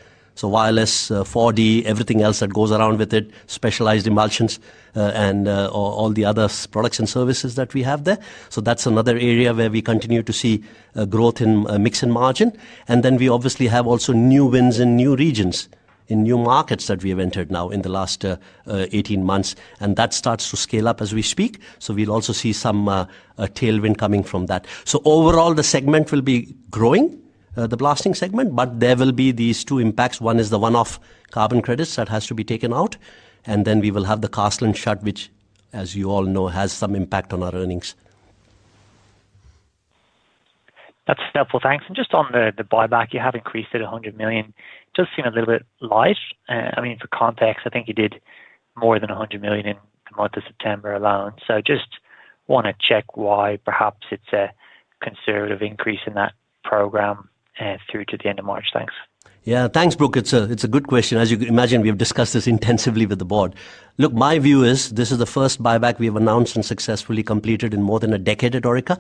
Wireless, 4D, everything else that goes around with it, specialized emulsions, and all the other products and services that we have there. That is another area where we continue to see growth in mix and margin. We obviously have also new wins in new regions, in new markets that we have entered now in the last 18 months, and that starts to scale up as we speak. We will also see some tailwind coming from that. Overall, the segment will be growing, the blasting segment, but there will be these two impacts. One is the one-off carbon credits that has to be taken out, and then we will have the Carseland shut, which, as you all know, has some impact on our earnings. That is helpful. Thanks. Just on the buyback, you have increased it 100 million. It does seem a little bit light. I mean, for context, I think you did more than 100 million in the month of September alone. Just want to check why perhaps it is a conservative increase in that program through to the end of March. Thanks. Yeah, thanks, Brooke. It is a good question. As you can imagine, we have discussed this intensively with the board. Look, my view is this is the first buyback we have announced and successfully completed in more than a decade at Orica.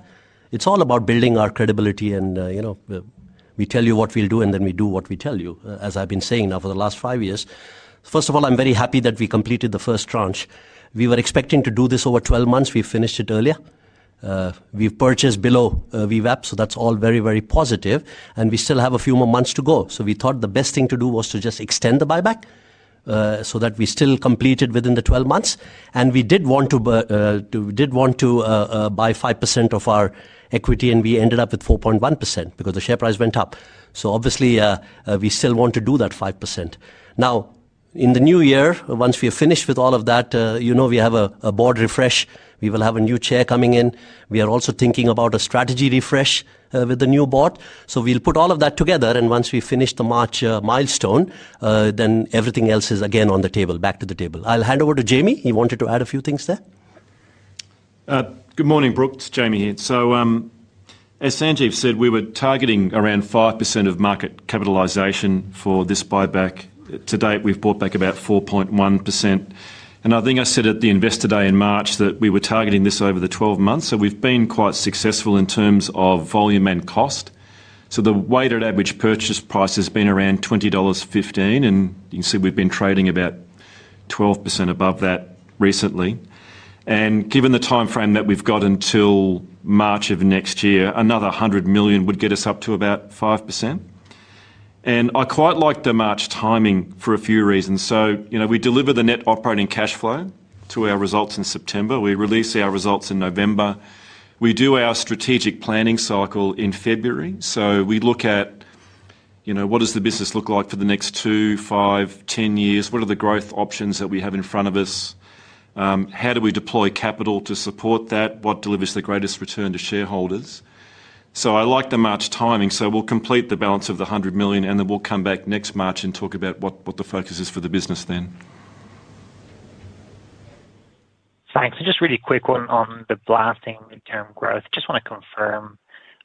It is all about building our credibility, and we tell you what we will do, and then we do what we tell you, as I have been saying now for the last five years. First of all, I am very happy that we completed the first tranche. We were expecting to do this over 12 months. We finished it earlier. We have purchased below VWAP, so that is all very, very positive. We still have a few more months to go. We thought the best thing to do was to just extend the buyback so that we still completed within the 12 months. We did want to buy 5% of our equity, and we ended up with 4.1% because the share price went up. Obviously, we still want to do that 5%. In the new year, once we are finished with all of that, we have a board refresh. We will have a new chair coming in. We are also thinking about a strategy refresh with the new board. We will put all of that together, and once we finish the March milestone, then everything else is again on the table, back to the table. I'll hand over to Jamie. He wanted to add a few things there. Good morning, Brooke. It's Jamie here. As Sanjeev said, we were targeting around 5% of market capitalization for this buyback. To date, we've bought back about 4.1%. I think I said at the investor day in March that we were targeting this over the 12 months. We've been quite successful in terms of volume and cost. The weighted average purchase price has been around 20.15 dollars, and you can see we've been trading about 12% above that recently. Given the timeframe that we've got until March of next year, another 100 million would get us up to about 5%. I quite like the March timing for a few reasons. We deliver the net operating cash flow to our results in September. We release our results in November. We do our strategic planning cycle in February. We look at what does the business look like for the next two, five, ten years? What are the growth options that we have in front of us? How do we deploy capital to support that? What delivers the greatest return to shareholders? I like the March timing. We will complete the balance of the 100 million, and then we will come back next March and talk about what the focus is for the business then. Thanks. Just really quick one on the blasting midterm growth. Just want to confirm,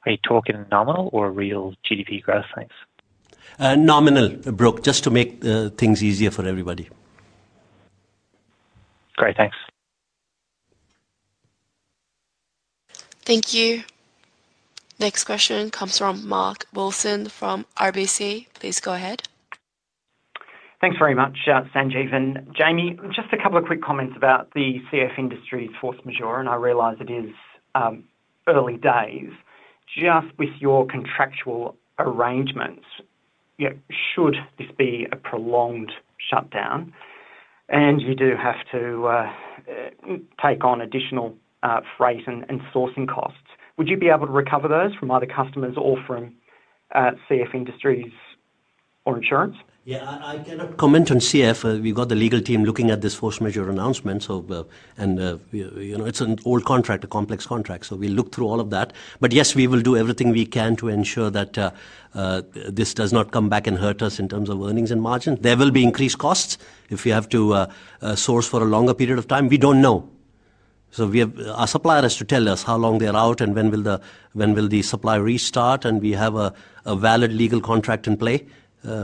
are you talking nominal or real GDP growth? Thanks. Nominal, Brooke, just to make things easier for everybody. Great. Thanks. Thank you. Next question comes from Mark Wilson from RBC. Please go ahead. Thanks very much, Sanjeev. And Jamie, just a couple of quick comments about the CF Industries force majeure, and I realize it is early days. Just with your contractual arrangements, should this be a prolonged shutdown and you do have to take on additional freight and sourcing costs, would you be able to recover those from either customers or from CF Industries or insurance? Yeah, I cannot comment on CF. We've got the legal team looking at this force majeure announcement, and it's an old contract, a complex contract. We look through all of that. Yes, we will do everything we can to ensure that this does not come back and hurt us in terms of earnings and margin. There will be increased costs if we have to source for a longer period of time. We do not know. Our supplier has to tell us how long they're out and when the supply will restart. We have a valid legal contract in play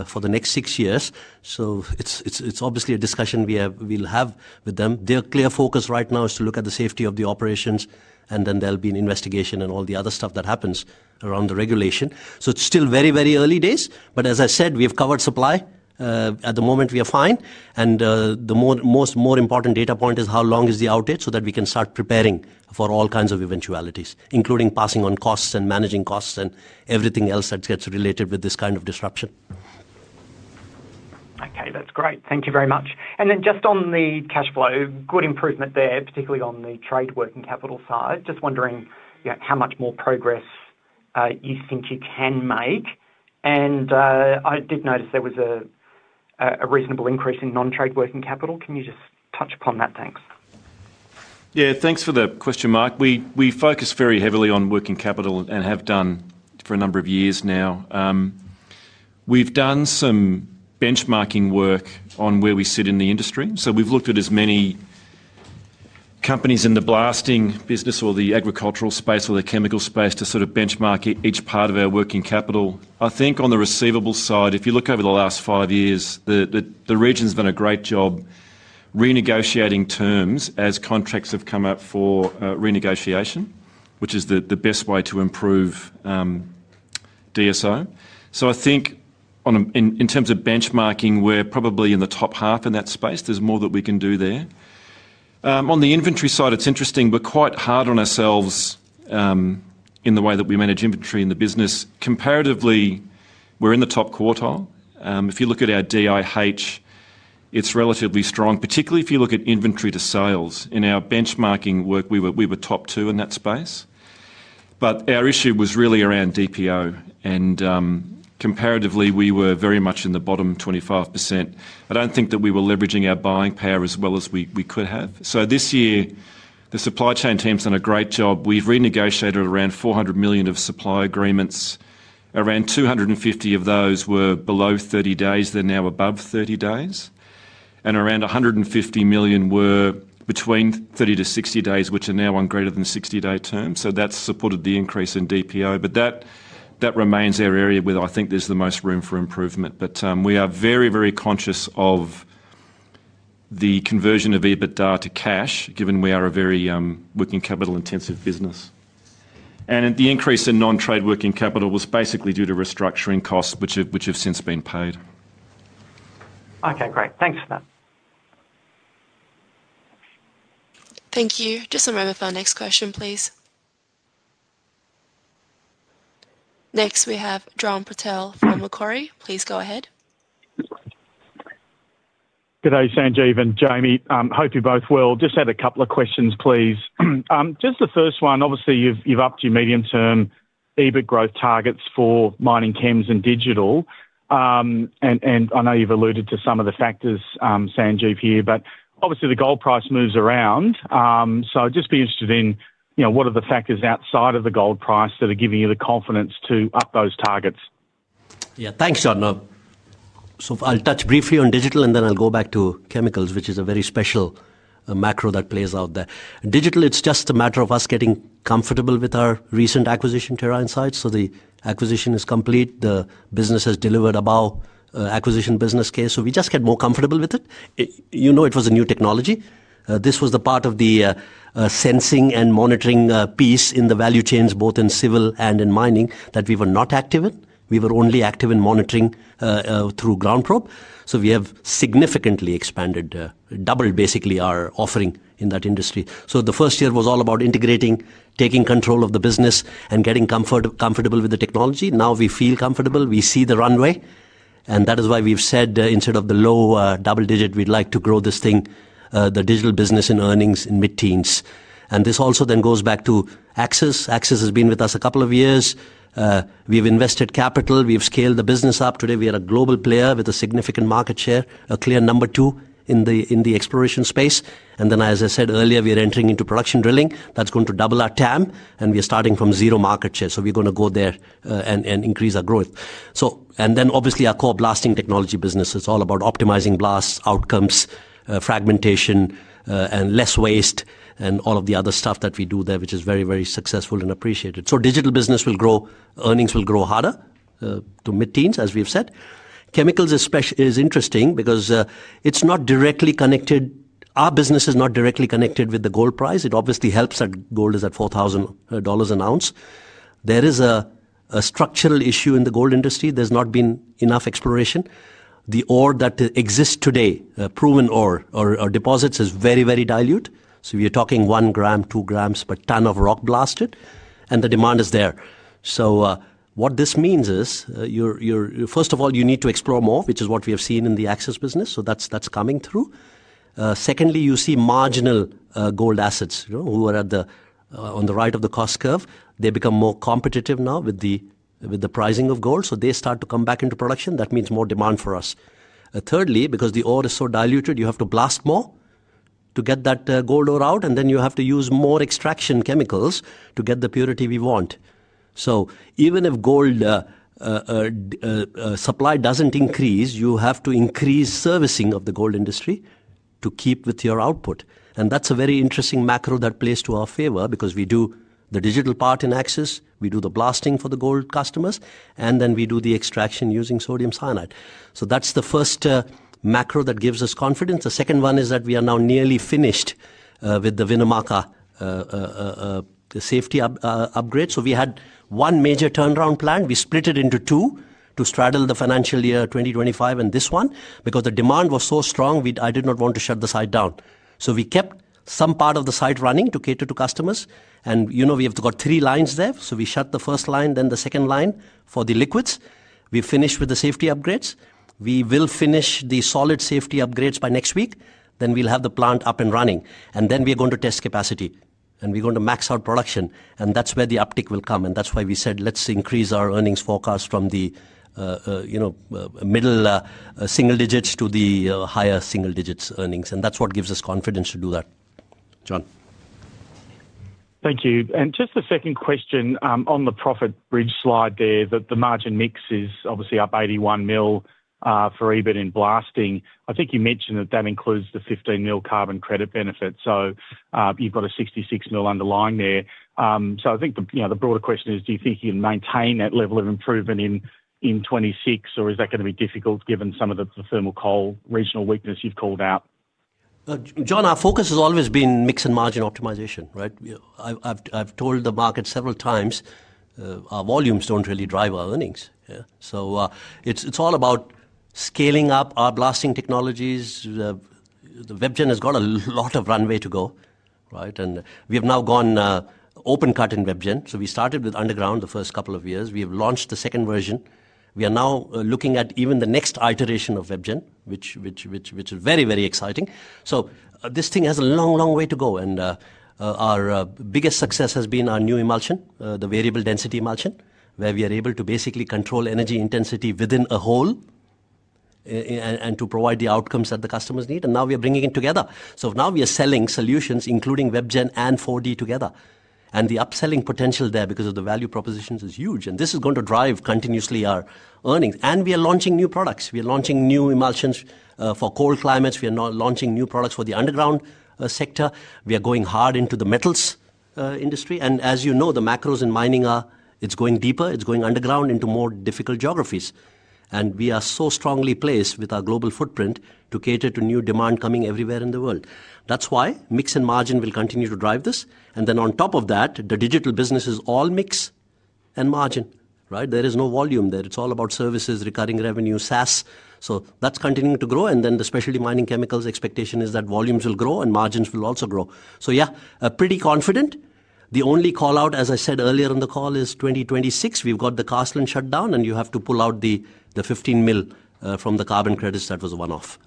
for the next six years. It is obviously a discussion we'll have with them. Their clear focus right now is to look at the safety of the operations, and then there will be an investigation and all the other stuff that happens around the regulation. It is still very, very early days. As I said, we've covered supply. At the moment, we are fine. The most important data point is how long is the outtake so that we can start preparing for all kinds of eventualities, including passing on costs and managing costs and everything else that gets related with this kind of disruption. Okay, that's great. Thank you very much. Just on the cash flow, good improvement there, particularly on the trade working capital side. Just wondering how much more progress you think you can make. I did notice there was a reasonable increase in non-trade working capital. Can you just touch upon that? Thanks. Yeah, thanks for the question, Mark. We focus very heavily on working capital and have done for a number of years now. We've done some benchmarking work on where we sit in the industry. We have looked at as many companies in the blasting business or the agricultural space or the chemical space to sort of benchmark each part of our working capital. I think on the receivable side, if you look over the last five years, the region has done a great job renegotiating terms as contracts have come up for renegotiation, which is the best way to improve DSO. I think in terms of benchmarking, we are probably in the top half in that space. There is more that we can do there. On the inventory side, it's interesting. We're quite hard on ourselves in the way that we manage inventory in the business. Comparatively, we're in the top quartile. If you look at our DIH, it's relatively strong, particularly if you look at inventory to sales. In our benchmarking work, we were top two in that space. Our issue was really around DPO. Comparatively, we were very much in the bottom 25%. I don't think that we were leveraging our buying power as well as we could have. This year, the supply chain team's done a great job. We've renegotiated around 400 million of supply agreements. Around 250 million of those were below 30 days. They're now above 30 days. Around 150 million were between 30-60 days, which are now on greater than 60-day terms. That has supported the increase in DPO. That remains our area where I think there is the most room for improvement. We are very, very conscious of the conversion of EBITDA to cash, given we are a very working capital intensive business. The increase in non-trade working capital was basically due to restructuring costs, which have since been paid. Okay, great. Thanks for that. Thank you. Just a moment for our next question, please. Next, we have John Patel from Macquarie. Please go ahead. Good day, Sanjeev and Jamie. Hope you both well. Just had a couple of questions, please. Just the first one, obviously, you have upped your medium-term EBIT growth targets for mining chems and digital. I know you have alluded to some of the factors, Sanjeev here, but obviously, the gold price moves around. I'd just be interested in what are the factors outside of the gold price that are giving you the confidence to up those targets? Yeah, thanks, John. I'll touch briefly on digital, and then I'll go back to chemicals, which is a very special macro that plays out there. Digital, it's just a matter of us getting comfortable with our recent acquisition Terra Insights. The acquisition is complete. The business has delivered above acquisition business case. We just get more comfortable with it. You know it was a new technology. This was the part of the sensing and monitoring piece in the value chains, both in civil and in mining, that we were not active in. We were only active in monitoring through GroundProbe. We have significantly expanded, doubled basically our offering in that industry. The first year was all about integrating, taking control of the business, and getting comfortable with the technology. Now we feel comfortable. We see the runway. That is why we've said instead of the low double digit, we'd like to grow this thing, the digital business in earnings in mid-teens. This also then goes back to Axis. Axis has been with us a couple of years. We've invested capital. We've scaled the business up. Today, we are a global player with a significant market share, a clear number two in the exploration space. As I said earlier, we are entering into production drilling. That's going to double our TAM, and we are starting from zero market share. We're going to go there and increase our growth. Our core blasting technology business is all about optimizing blast outcomes, fragmentation, and less waste, and all of the other stuff that we do there, which is very, very successful and appreciated. Digital business will grow, earnings will grow harder to mid-teens, as we've said. Chemicals is interesting because it's not directly connected. Our business is not directly connected with the gold price. It obviously helps that gold is at 4,000 dollars an ounce. There is a structural issue in the gold industry. There's not been enough exploration. The ore that exists today, proven ore or deposits, is very, very dilute. We are talking one gram, two grams per ton of rock blasted, and the demand is there. What this means is, first of all, you need to explore more, which is what we have seen in the Axis business. That's coming through. Secondly, you see marginal gold assets who are on the right of the cost curve. They become more competitive now with the pricing of gold. They start to come back into production. That means more demand for us. Thirdly, because the ore is so diluted, you have to blast more to get that gold ore out, and then you have to use more extraction chemicals to get the purity we want. Even if gold supply does not increase, you have to increase servicing of the gold industry to keep with your output. That is a very interesting macro that plays to our favor because we do the digital part in Axis. We do the blasting for the gold customers, and then we do the extraction using sodium cyanide. That is the first macro that gives us confidence. The second one is that we are now nearly finished with the Winnemucca safety upgrade. We had one major turnaround planned. We split it into two to straddle the financial year 2025 and this one because the demand was so strong, I did not want to shut the site down. We kept some part of the site running to cater to customers. We have got three lines there. We shut the first line, then the second line for the liquids. We finished with the safety upgrades. We will finish the solid safety upgrades by next week. We will have the plant up and running. We are going to test capacity, and we are going to max out production. That is where the uptick will come. That is why we said, let's increase our earnings forecast from the middle single digits to the higher single digits earnings. That is what gives us confidence to do that. John. Thank you. Just a second question on the profit bridge slide there, the margin mix is obviously up 81 million for EBIT in blasting. I think you mentioned that includes the 15 million carbon credit benefit. So you have a 66 million underlying there. I think the broader question is, do you think you can maintain that level of improvement in 2026, or is that going to be difficult given some of the thermal coal regional weakness you have called out? John, our focus has always been mix and margin optimization, right? I have told the market several times, our volumes do not really drive our earnings. It is all about scaling up our blasting technologies. The WebGen has got a lot of runway to go, right? We have now gone open cut in WebGen. We started with underground the first couple of years. We have launched the second version. We are now looking at even the next iteration of WebGen, which is very, very exciting. This thing has a long, long way to go. Our biggest success has been our new emulsion, the variable density emulsion, where we are able to basically control energy intensity within a hole and to provide the outcomes that the customers need. Now we are bringing it together. Now we are selling solutions, including WebGen and 4D together. The upselling potential there because of the value propositions is huge. This is going to drive continuously our earnings. We are launching new products. We are launching new emulsions for cold climates. We are launching new products for the underground sector. We are going hard into the metals industry. As you know, the macros in mining are, it's going deeper. It's going underground into more difficult geographies. We are so strongly placed with our global footprint to cater to new demand coming everywhere in the world. That is why mix and margin will continue to drive this. On top of that, the digital business is all mix and margin, right? There is no volume there. It is all about services, recurring revenue, SaaS. That is continuing to grow. The specialty mining chemicals expectation is that volumes will grow and margins will also grow. Yeah, pretty confident. The only call out, as I said earlier in the call, is 2026. We've got the Carseland shutdown, and you have to pull out the 15 million from the carbon credits that was a one-off.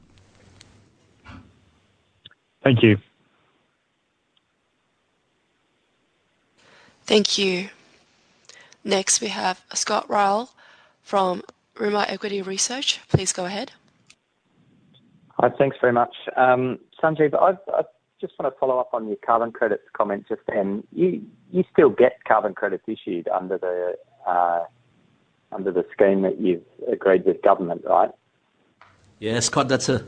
Thank you. Thank you. Next, we have Scott Ryall from Rimor Equity Research. Please go ahead. Hi, thanks very much. Sanjeev, I just want to follow up on your carbon credits comment just then. You still get carbon credits issued under the scheme that you've agreed with government, right? Yes, Scott, that's a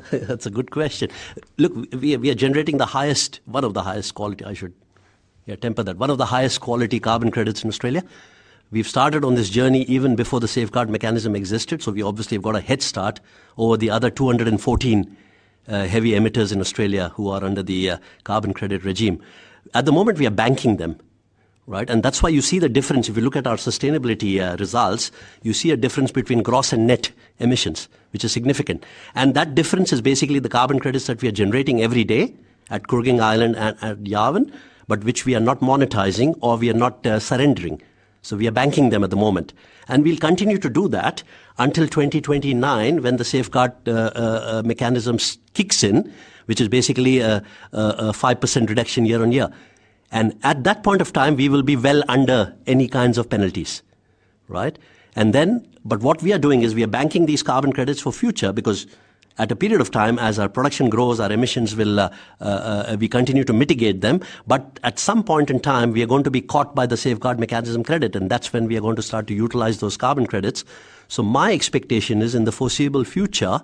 good question. Look, we are generating the highest, one of the highest quality. I should temper that. One of the highest quality carbon credits in Australia. We've started on this journey even before the safeguard mechanism existed. We obviously have got a head start over the other 214 heavy emitters in Australia who are under the carbon credit regime. At the moment, we are banking them, right? That's why you see the difference. If you look at our sustainability results, you see a difference between gross and net emissions, which is significant. That difference is basically the carbon credits that we are generating every day at Kooragang Island and at Yarwun, but which we are not monetizing or we are not surrendering. We are banking them at the moment. We will continue to do that until 2029 when the safeguard mechanism kicks in, which is basically a 5% reduction year on year. At that point of time, we will be well under any kinds of penalties, right? What we are doing is we are banking these carbon credits for future because at a period of time, as our production grows, our emissions, we continue to mitigate them. At some point in time, we are going to be caught by the safeguard mechanism credit. That is when we are going to start to utilize those carbon credits. My expectation is in the foreseeable future,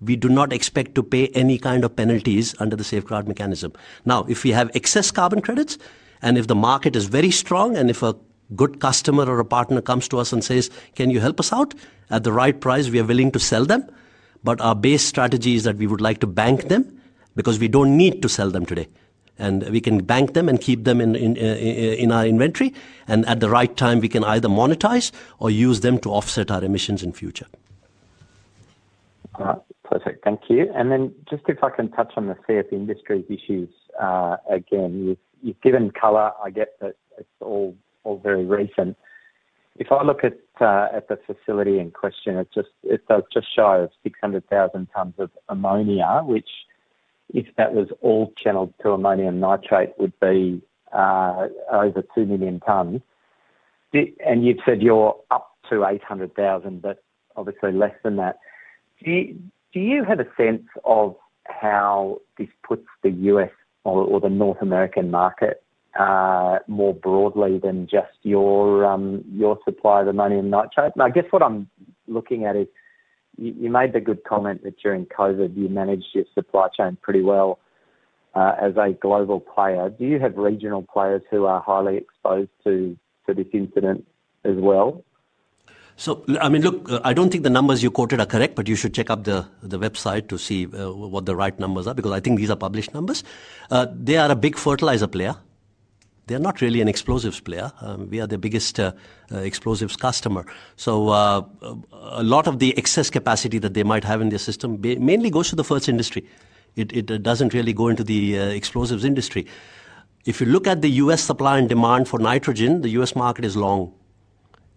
we do not expect to pay any kind of penalties under the safeguard mechanism. If we have excess carbon credits and if the market is very strong and if a good customer or a partner comes to us and says, "Can you help us out?" At the right price, we are willing to sell them. Our base strategy is that we would like to bank them because we do not need to sell them today. We can bank them and keep them in our inventory. At the right time, we can either monetize or use them to offset our emissions in future. Perfect. Thank you. If I can touch on the CF Industries issues again, you have given color, I get that it is all very recent. If I look at the facility in question, it does just show 600,000 tons of ammonia, which if that was all channeled to ammonium nitrate, would be over 2 million tons. You have said you are up to 800,000, but obviously less than that. Do you have a sense of how this puts the U.S. or the North American market more broadly than just your supply of ammonium nitrate? I guess what I am looking at is you made the good comment that during COVID, you managed your supply chain pretty well as a global player. Do you have regional players who are highly exposed to this incident as well? I mean, look, I do not think the numbers you quoted are correct, but you should check up the website to see what the right numbers are because I think these are published numbers. They are a big fertilizer player. They are not really an explosives player. We are the biggest explosives customer. A lot of the excess capacity that they might have in their system mainly goes to the first industry. It does not really go into the explosives industry. If you look at the U.S. supply and demand for nitrogen, the U.S. market is long.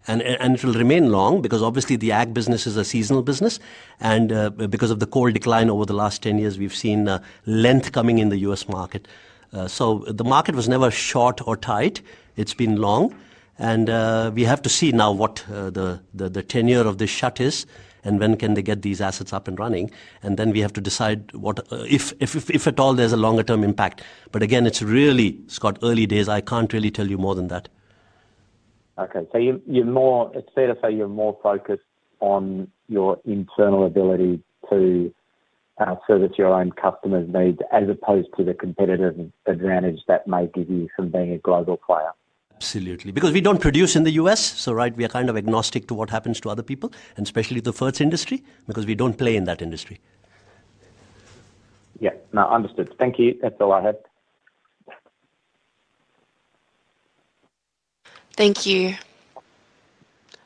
It will remain long because obviously the ag business is a seasonal business. Because of the coal decline over the last 10 years, we have seen length coming in the U.S. market. The market was never short or tight. It has been long. We have to see now what the tenure of this shut is and when can they get these assets up and running. We have to decide if at all there is a longer-term impact. Again, it is really, Scott, early days. I cannot really tell you more than that. Okay. It is fair to say you are more focused on your internal ability to service your own customers' needs as opposed to the competitive advantage that may give you from being a global player. Absolutely. Because we do not produce in the U.S.. Right, we are kind of agnostic to what happens to other people, and especially the first industry, because we do not play in that industry. Yeah. No, understood. Thank you. That is all I had. Thank you.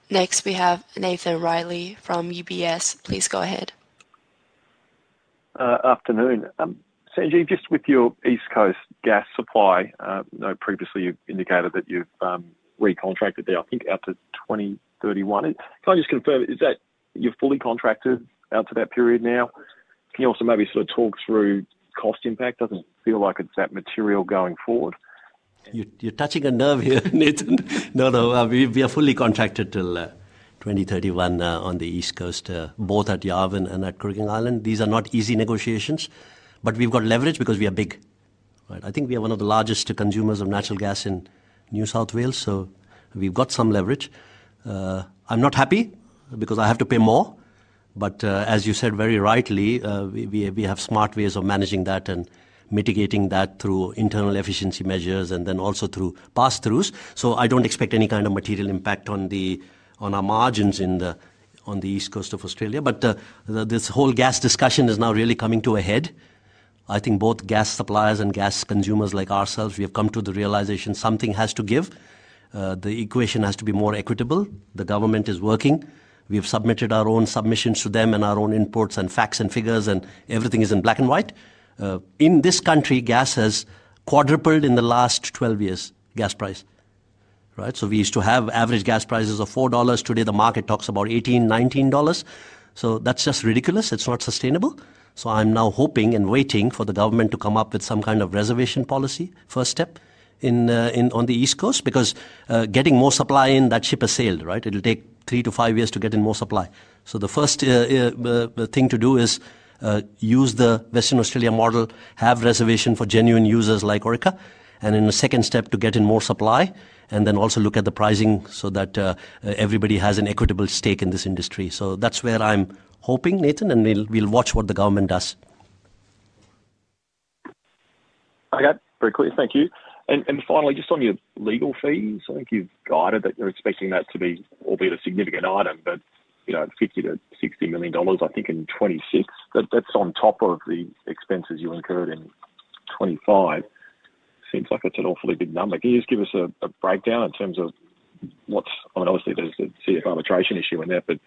Next, we have Nathan Reilley from UBS. Please go ahead. Afternoon. Sanjeev, just with your East Coast gas supply, I know previously you've indicated that you've recontracted there, I think, out to 2031. Can I just confirm, is that you're fully contracted out to that period now? Can you also maybe sort of talk through cost impact? Doesn't feel like it's that material going forward. You're touching a nerve here, Nathan. No, no. We are fully contracted till 2031 on the East Coast, both at Yarwun and at Kooragang Island. These are not easy negotiations, but we've got leverage because we are big. I think we are one of the largest consumers of natural gas in New South Wales. So we've got some leverage. I'm not happy because I have to pay more. But as you said very rightly, we have smart ways of managing that and mitigating that through internal efficiency measures and then also through pass-throughs. I don't expect any kind of material impact on our margins on the East Coast of Australia. This whole gas discussion is now really coming to a head. I think both gas suppliers and gas consumers like ourselves, we have come to the realization something has to give. The equation has to be more equitable. The government is working. We have submitted our own submissions to them and our own inputs and facts and figures, and everything is in black and white. In this country, gas has quadrupled in the last 12 years, gas price, right? We used to have average gas prices of 4 dollars. Today, the market talks about 18-19 dollars. That's just ridiculous. It's not sustainable. I'm now hoping and waiting for the government to come up with some kind of reservation policy, first step on the East Coast, because getting more supply in, that ship has sailed, right? It'll take three to five years to get in more supply. The first thing to do is use the Western Australia model, have reservation for genuine users like Orica, and in a second step, to get in more supply, and then also look at the pricing so that everybody has an equitable stake in this industry. That's where I'm hoping, Nathan, and we'll watch what the government does. I got it. Pretty clear. Thank you. Finally, just on your legal fees, I think you've guided that you're expecting that to be albeit a significant item, but 50-60 million dollars, I think, in 2026. That's on top of the expenses you incurred in 2025. Seems like it's an awfully big number. Can you just give us a breakdown in terms of what's—I mean, obviously, there's the CF arbitration issue in there, but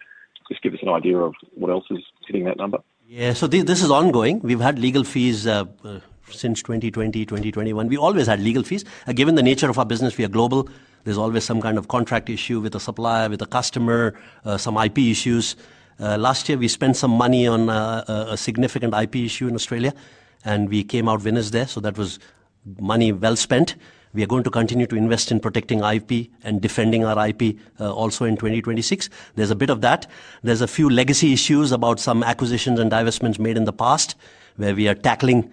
just give us an idea of what else is hitting that number. Yeah. So this is ongoing. We've had legal fees since 2020, 2021. We always had legal fees. Given the nature of our business, we are global. There's always some kind of contract issue with a supplier, with a customer, some IP issues. Last year, we spent some money on a significant IP issue in Australia, and we came out winners there. That was money well spent. We are going to continue to invest in protecting IP and defending our IP also in 2026. There's a bit of that. are a few legacy issues about some acquisitions and divestments made in the past where we are tackling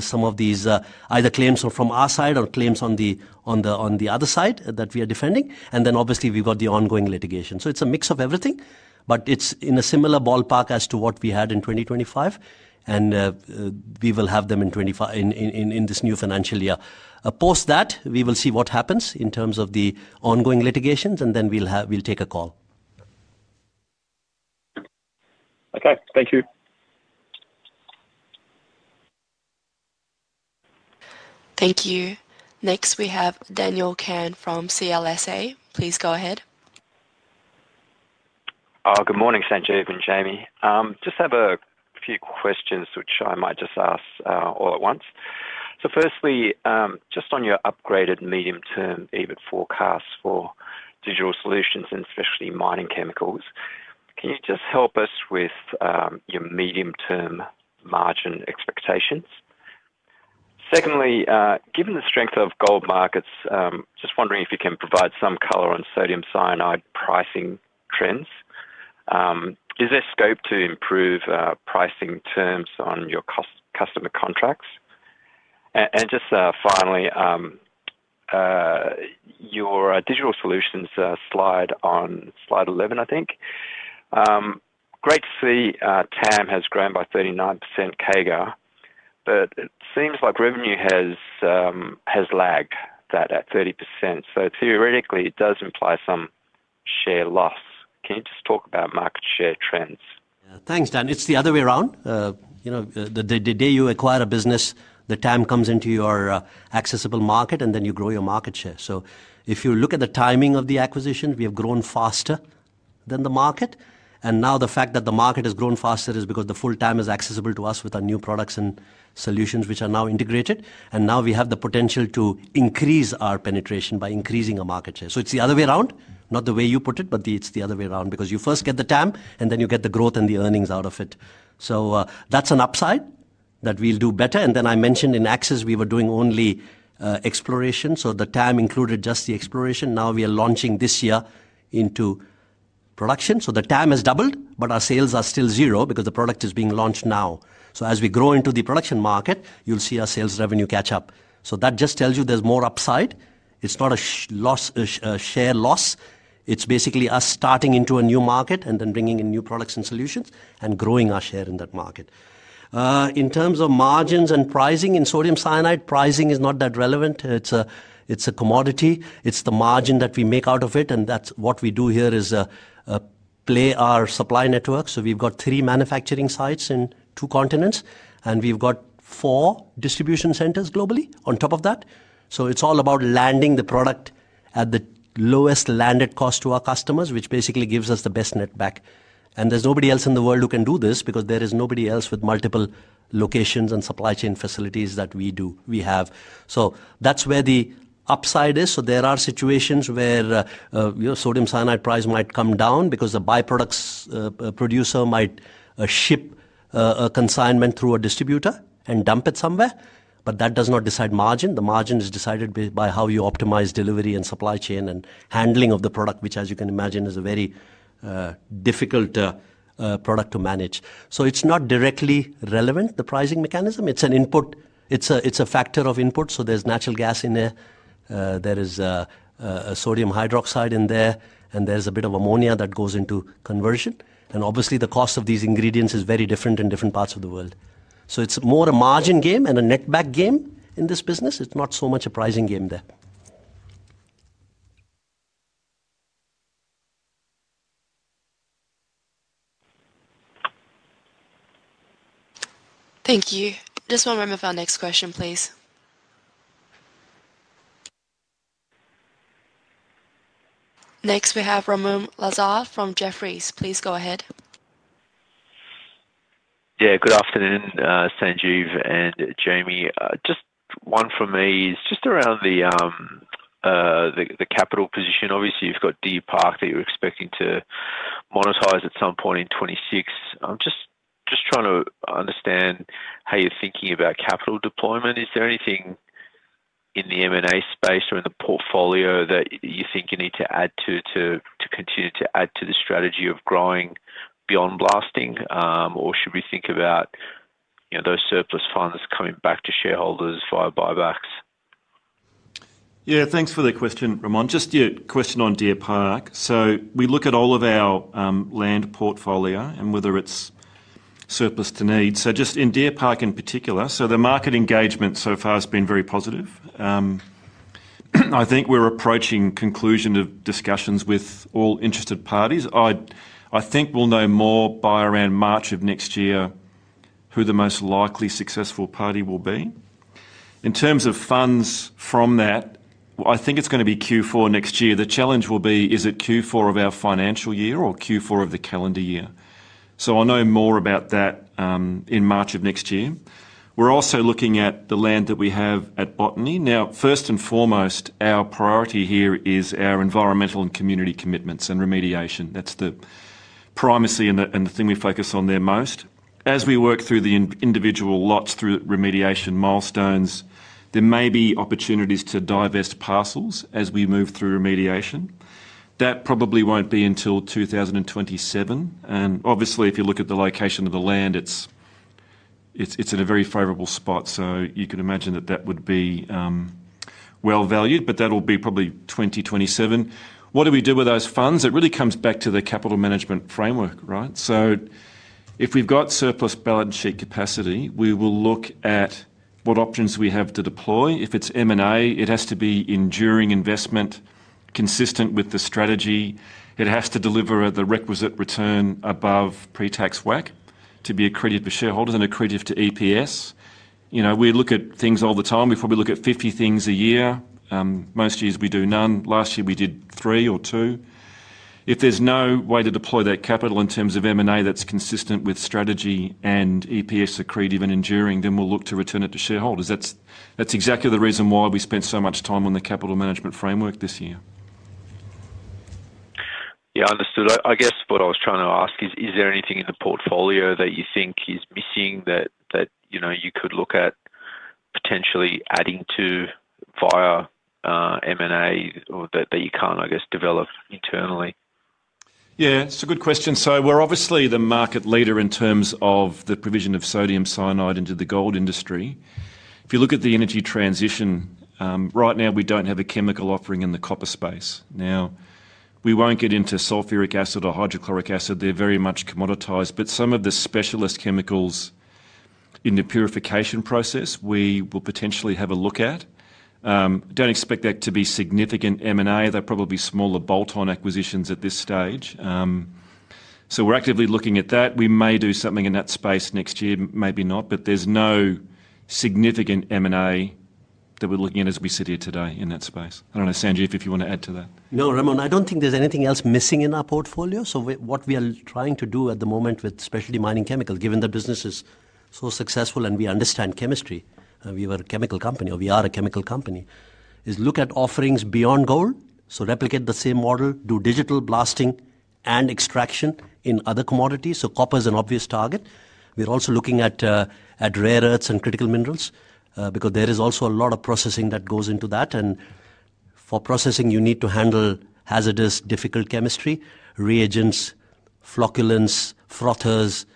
some of these, either claims from our side or claims on the other side that we are defending. Obviously, we have the ongoing litigation. It is a mix of everything, but it is in a similar ballpark as to what we had in 2025, and we will have them in this new financial year. Post that, we will see what happens in terms of the ongoing litigations, and then we will take a call. Okay. Thank you. Thank you. Next, we have Daniel Kang from CLSA. Please go ahead. Good morning, Sanjeev and Jamie. I just have a few questions which I might just ask all at once. Firstly, just on your upgraded medium-term EBIT forecast for digital solutions and especially mining chemicals, can you just help us with your medium-term margin expectations? Secondly, given the strength of gold markets, just wondering if you can provide some color on sodium cyanide pricing trends. Is there scope to improve pricing terms on your customer contracts? Just finally, your digital solutions slide on slide 11, I think. Great to see TAM has grown by 39% CAGR, but it seems like revenue has lagged that at 30%. Theoretically, it does imply some share loss. Can you just talk about market share trends? Thanks, Dan. It's the other way around. The day you acquire a business, the TAM comes into your accessible market, and then you grow your market share. If you look at the timing of the acquisition, we have grown faster than the market. The fact that the market has grown faster is because the full TAM is accessible to us with our new products and solutions which are now integrated. We have the potential to increase our penetration by increasing our market share. It is the other way around, not the way you put it, but it is the other way around because you first get the TAM, and then you get the growth and the earnings out of it. That is an upside that we will do better. I mentioned in Axis, we were doing only exploration. The TAM included just the exploration. Now we are launching this year into production. The TAM has doubled, but our sales are still zero because the product is being launched now. As we grow into the production market, you will see our sales revenue catch up. That just tells you there's more upside. It's not a share loss. It's basically us starting into a new market and then bringing in new products and solutions and growing our share in that market. In terms of margins and pricing in sodium cyanide, pricing is not that relevant. It's a commodity. It's the margin that we make out of it. What we do here is play our supply network. We've got three manufacturing sites in two continents, and we've got four distribution centers globally on top of that. It's all about landing the product at the lowest landed cost to our customers, which basically gives us the best net back. There's nobody else in the world who can do this because there is nobody else with multiple locations and supply chain facilities that we have. That's where the upside is. There are situations where sodium cyanide price might come down because the byproducts producer might ship a consignment through a distributor and dump it somewhere. That does not decide margin. The margin is decided by how you optimize delivery and supply chain and handling of the product, which, as you can imagine, is a very difficult product to manage. It is not directly relevant, the pricing mechanism. It is an input. It is a factor of input. There is natural gas in there. There is sodium hydroxide in there, and there is a bit of ammonia that goes into conversion. Obviously, the cost of these ingredients is very different in different parts of the world. It is more a margin game and a net back game in this business. It is not so much a pricing game there. Thank you. Just one moment for our next question, please. Next, we have Ramoun Lazar from Jefferies. Please go ahead. Yeah. Good afternoon, Sanjeev and Jamie. Just one from me. It's just around the capital position. Obviously, you've got Deer Park that you're expecting to monetize at some point in 2026. I'm just trying to understand how you're thinking about capital deployment. Is there anything in the M&A space or in the portfolio that you think you need to add to continue to add to the strategy of growing beyond blasting, or should we think about those surplus funds coming back to shareholders via buybacks? Yeah. Thanks for the question, Ramon. Just your question on Deer Park. We look at all of our land portfolio and whether it's surplus to need. Just in Deer Park in particular, the market engagement so far has been very positive. I think we're approaching conclusion of discussions with all interested parties. I think we'll know more by around March of next year who the most likely successful party will be. In terms of funds from that, I think it's going to be Q4 next year. The challenge will be, is it Q4 of our financial year or Q4 of the calendar year? I will know more about that in March of next year. We're also looking at the land that we have at Botany. Now, first and foremost, our priority here is our environmental and community commitments and remediation. That's the primacy and the thing we focus on there most. As we work through the individual lots through remediation milestones, there may be opportunities to divest parcels as we move through remediation. That probably will not be until 2027. Obviously, if you look at the location of the land, it's in a very favorable spot. You can imagine that that would be well valued, but that will be probably 2027. What do we do with those funds? It really comes back to the capital management framework, right? If we have surplus balance sheet capacity, we will look at what options we have to deploy. If it is M&A, it has to be enduring investment consistent with the strategy. It has to deliver the requisite return above pre-tax WACC to be accredited to shareholders and accredited to EPS. We look at things all the time. We probably look at 50 things a year. Most years, we do none. Last year, we did three or two. If there is no way to deploy that capital in terms of M&A that is consistent with strategy and EPS accretive and enduring, then we will look to return it to shareholders. That's exactly the reason why we spent so much time on the capital management framework this year. Yeah, understood. I guess what I was trying to ask is, is there anything in the portfolio that you think is missing that you could look at potentially adding to via M&A that you can't, I guess, develop internally? Yeah. It's a good question. We're obviously the market leader in terms of the provision of sodium cyanide into the gold industry. If you look at the energy transition, right now, we don't have a chemical offering in the copper space. Now, we won't get into sulfuric acid or hydrochloric acid. They're very much commoditized. Some of the specialist chemicals in the purification process, we will potentially have a look at. Don't expect that to be significant M&A. They're probably smaller bolt-on acquisitions at this stage. We're actively looking at that. We may do something in that space next year, maybe not, but there is no significant M&A that we are looking at as we sit here today in that space. I do not know, Sanjeev, if you want to add to that. No, Ramoun. I do not think there is anything else missing in our portfolio. What we are trying to do at the moment with specialty mining chemicals, given the business is so successful and we understand chemistry, we were a chemical company or we are a chemical company, is look at offerings beyond gold. Replicate the same model, do digital blasting and extraction in other commodities. Copper is an obvious target. We are also looking at rare earths and critical minerals because there is also a lot of processing that goes into that. For processing, you need to handle hazardous, difficult chemistry, reagents, flocculants, frothers,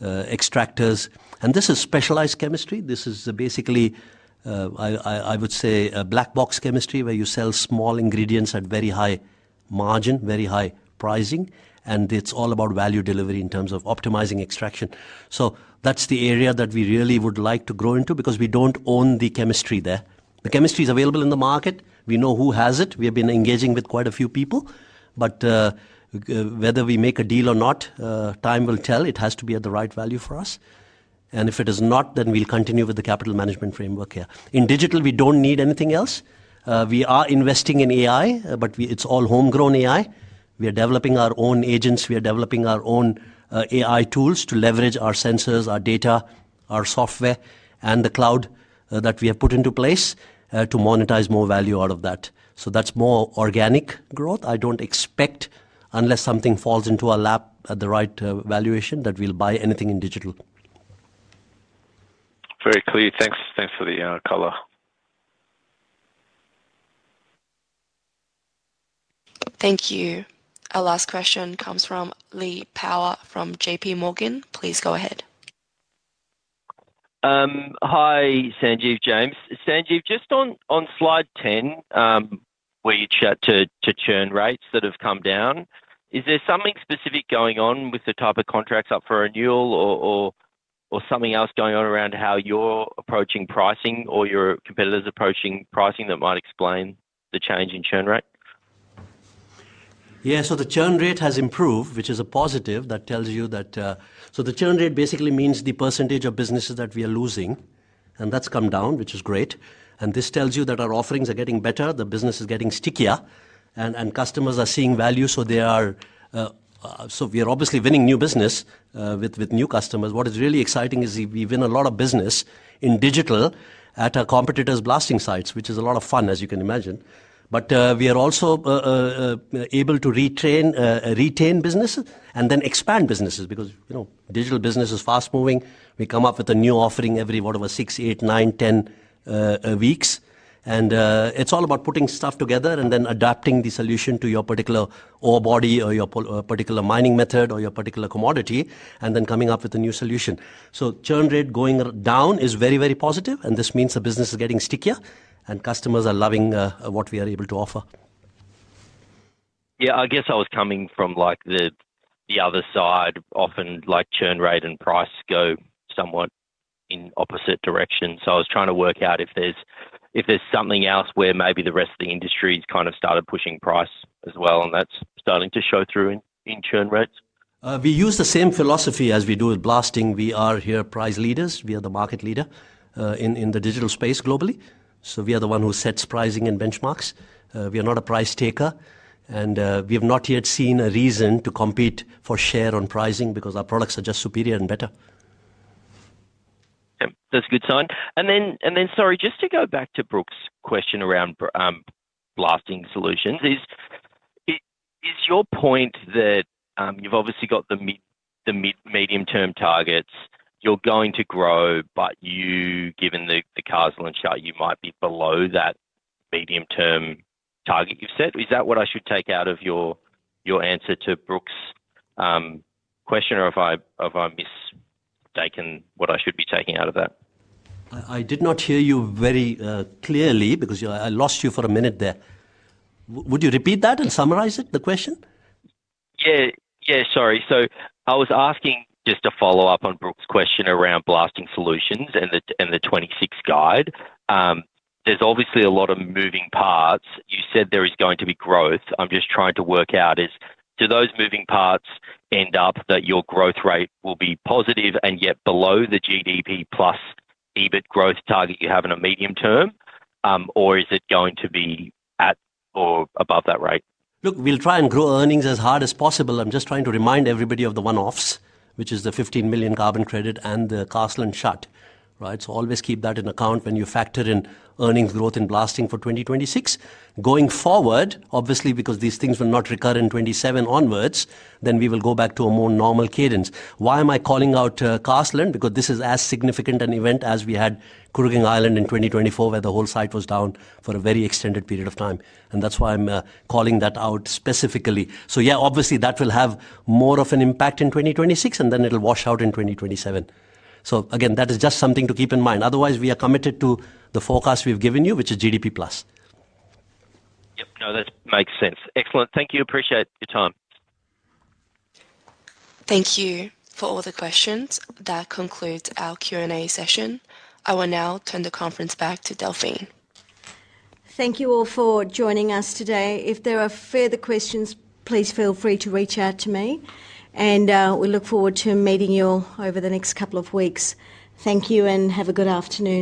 extractors. This is specialized chemistry. This is basically, I would say, a black box chemistry where you sell small ingredients at very high margin, very high pricing. It is all about value delivery in terms of optimizing extraction. That is the area that we really would like to grow into because we do not own the chemistry there. The chemistry is available in the market. We know who has it. We have been engaging with quite a few people. Whether we make a deal or not, time will tell. It has to be at the right value for us. If it is not, then we will continue with the capital management framework here. In digital, we do not need anything else. We are investing in AI, but it is all homegrown AI. We are developing our own agents. We are developing our own AI tools to leverage our sensors, our data, our software, and the cloud that we have put into place to monetize more value out of that. That is more organic growth. I do not expect, unless something falls into our lap at the right valuation, that we will buy anything in digital. Very clear. Thanks for the color. Thank you. Our last question comes from Lee Power from JPMorgan. Please go ahead. Hi, Sanjeev, James. Sanjeev, just on slide 10, where you chat to churn rates that have come down, is there something specific going on with the type of contracts up for renewal or something else going on around how you are approaching pricing or your competitors approaching pricing that might explain the change in churn rate? Yeah. The churn rate has improved, which is a positive that tells you that the churn rate basically means the percentage of businesses that we are losing, and that's come down, which is great. This tells you that our offerings are getting better. The business is getting stickier, and customers are seeing value. We are obviously winning new business with new customers. What is really exciting is we win a lot of business in digital at our competitors' blasting sites, which is a lot of fun, as you can imagine. We are also able to retain businesses and then expand businesses because digital business is fast-moving. We come up with a new offering every one of our six, eight, nine, ten weeks. It is all about putting stuff together and then adapting the solution to your particular ore body or your particular mining method or your particular commodity and then coming up with a new solution. Churn rate going down is very, very positive. This means the business is getting stickier, and customers are loving what we are able to offer. Yeah. I guess I was coming from the other side. Often, churn rate and price go somewhat in opposite directions. I was trying to work out if there is something else where maybe the rest of the industry has kind of started pushing price as well, and that is starting to show through in churn rates. We use the same philosophy as we do with blasting. We are price leaders. We are the market leader in the digital space globally. We are the one who sets pricing and benchmarks. We are not a price taker. We have not yet seen a reason to compete for share on pricing because our products are just superior and better. That is a good sign. Sorry, just to go back to Brooke's question around blasting solutions, is your point that you have obviously got the medium-term targets. You are going to grow, but given the casual chart, you might be below that medium-term target you have set. Is that what I should take out of your answer to Brooke's question, or have I mistaken what I should be taking out of that? I did not hear you very clearly because I lost you for a minute there. Would you repeat that and summarize it, the question? Yeah. Sorry. I was asking just to follow up on Brooke's question around blasting solutions and the 2026 guide. There is obviously a lot of moving parts. You said there is going to be growth. I'm just trying to work out, do those moving parts end up that your growth rate will be positive and yet below the GDP plus EBIT growth target you have in a medium term, or is it going to be at or above that rate? Look, we'll try and grow earnings as hard as possible. I'm just trying to remind everybody of the one-offs, which is the 15 million carbon credit and the Carseland shut, right? Always keep that in account when you factor in earnings growth in blasting for 2026. Going forward, obviously, because these things will not recur in 2027 onwards, then we will go back to a more normal cadence. Why am I calling out Carseland shutdown? Because this is as significant an event as we had at Kooragang Island in 2024, where the whole site was down for a very extended period of time. That is why I am calling that out specifically. Yeah, obviously, that will have more of an impact in 2026, and then it will wash out in 2027. Again, that is just something to keep in mind. Otherwise, we are committed to the forecast we have given you, which is GDP plus. Yep. No, that makes sense. Excellent. Thank you. Appreciate your time. Thank you for all the questions. That concludes our Q&A session. I will now turn the conference back to Delphine. Thank you all for joining us today. If there are further questions, please feel free to reach out to me. We look forward to meeting you over the next couple of weeks. Thank you and have a good afternoon.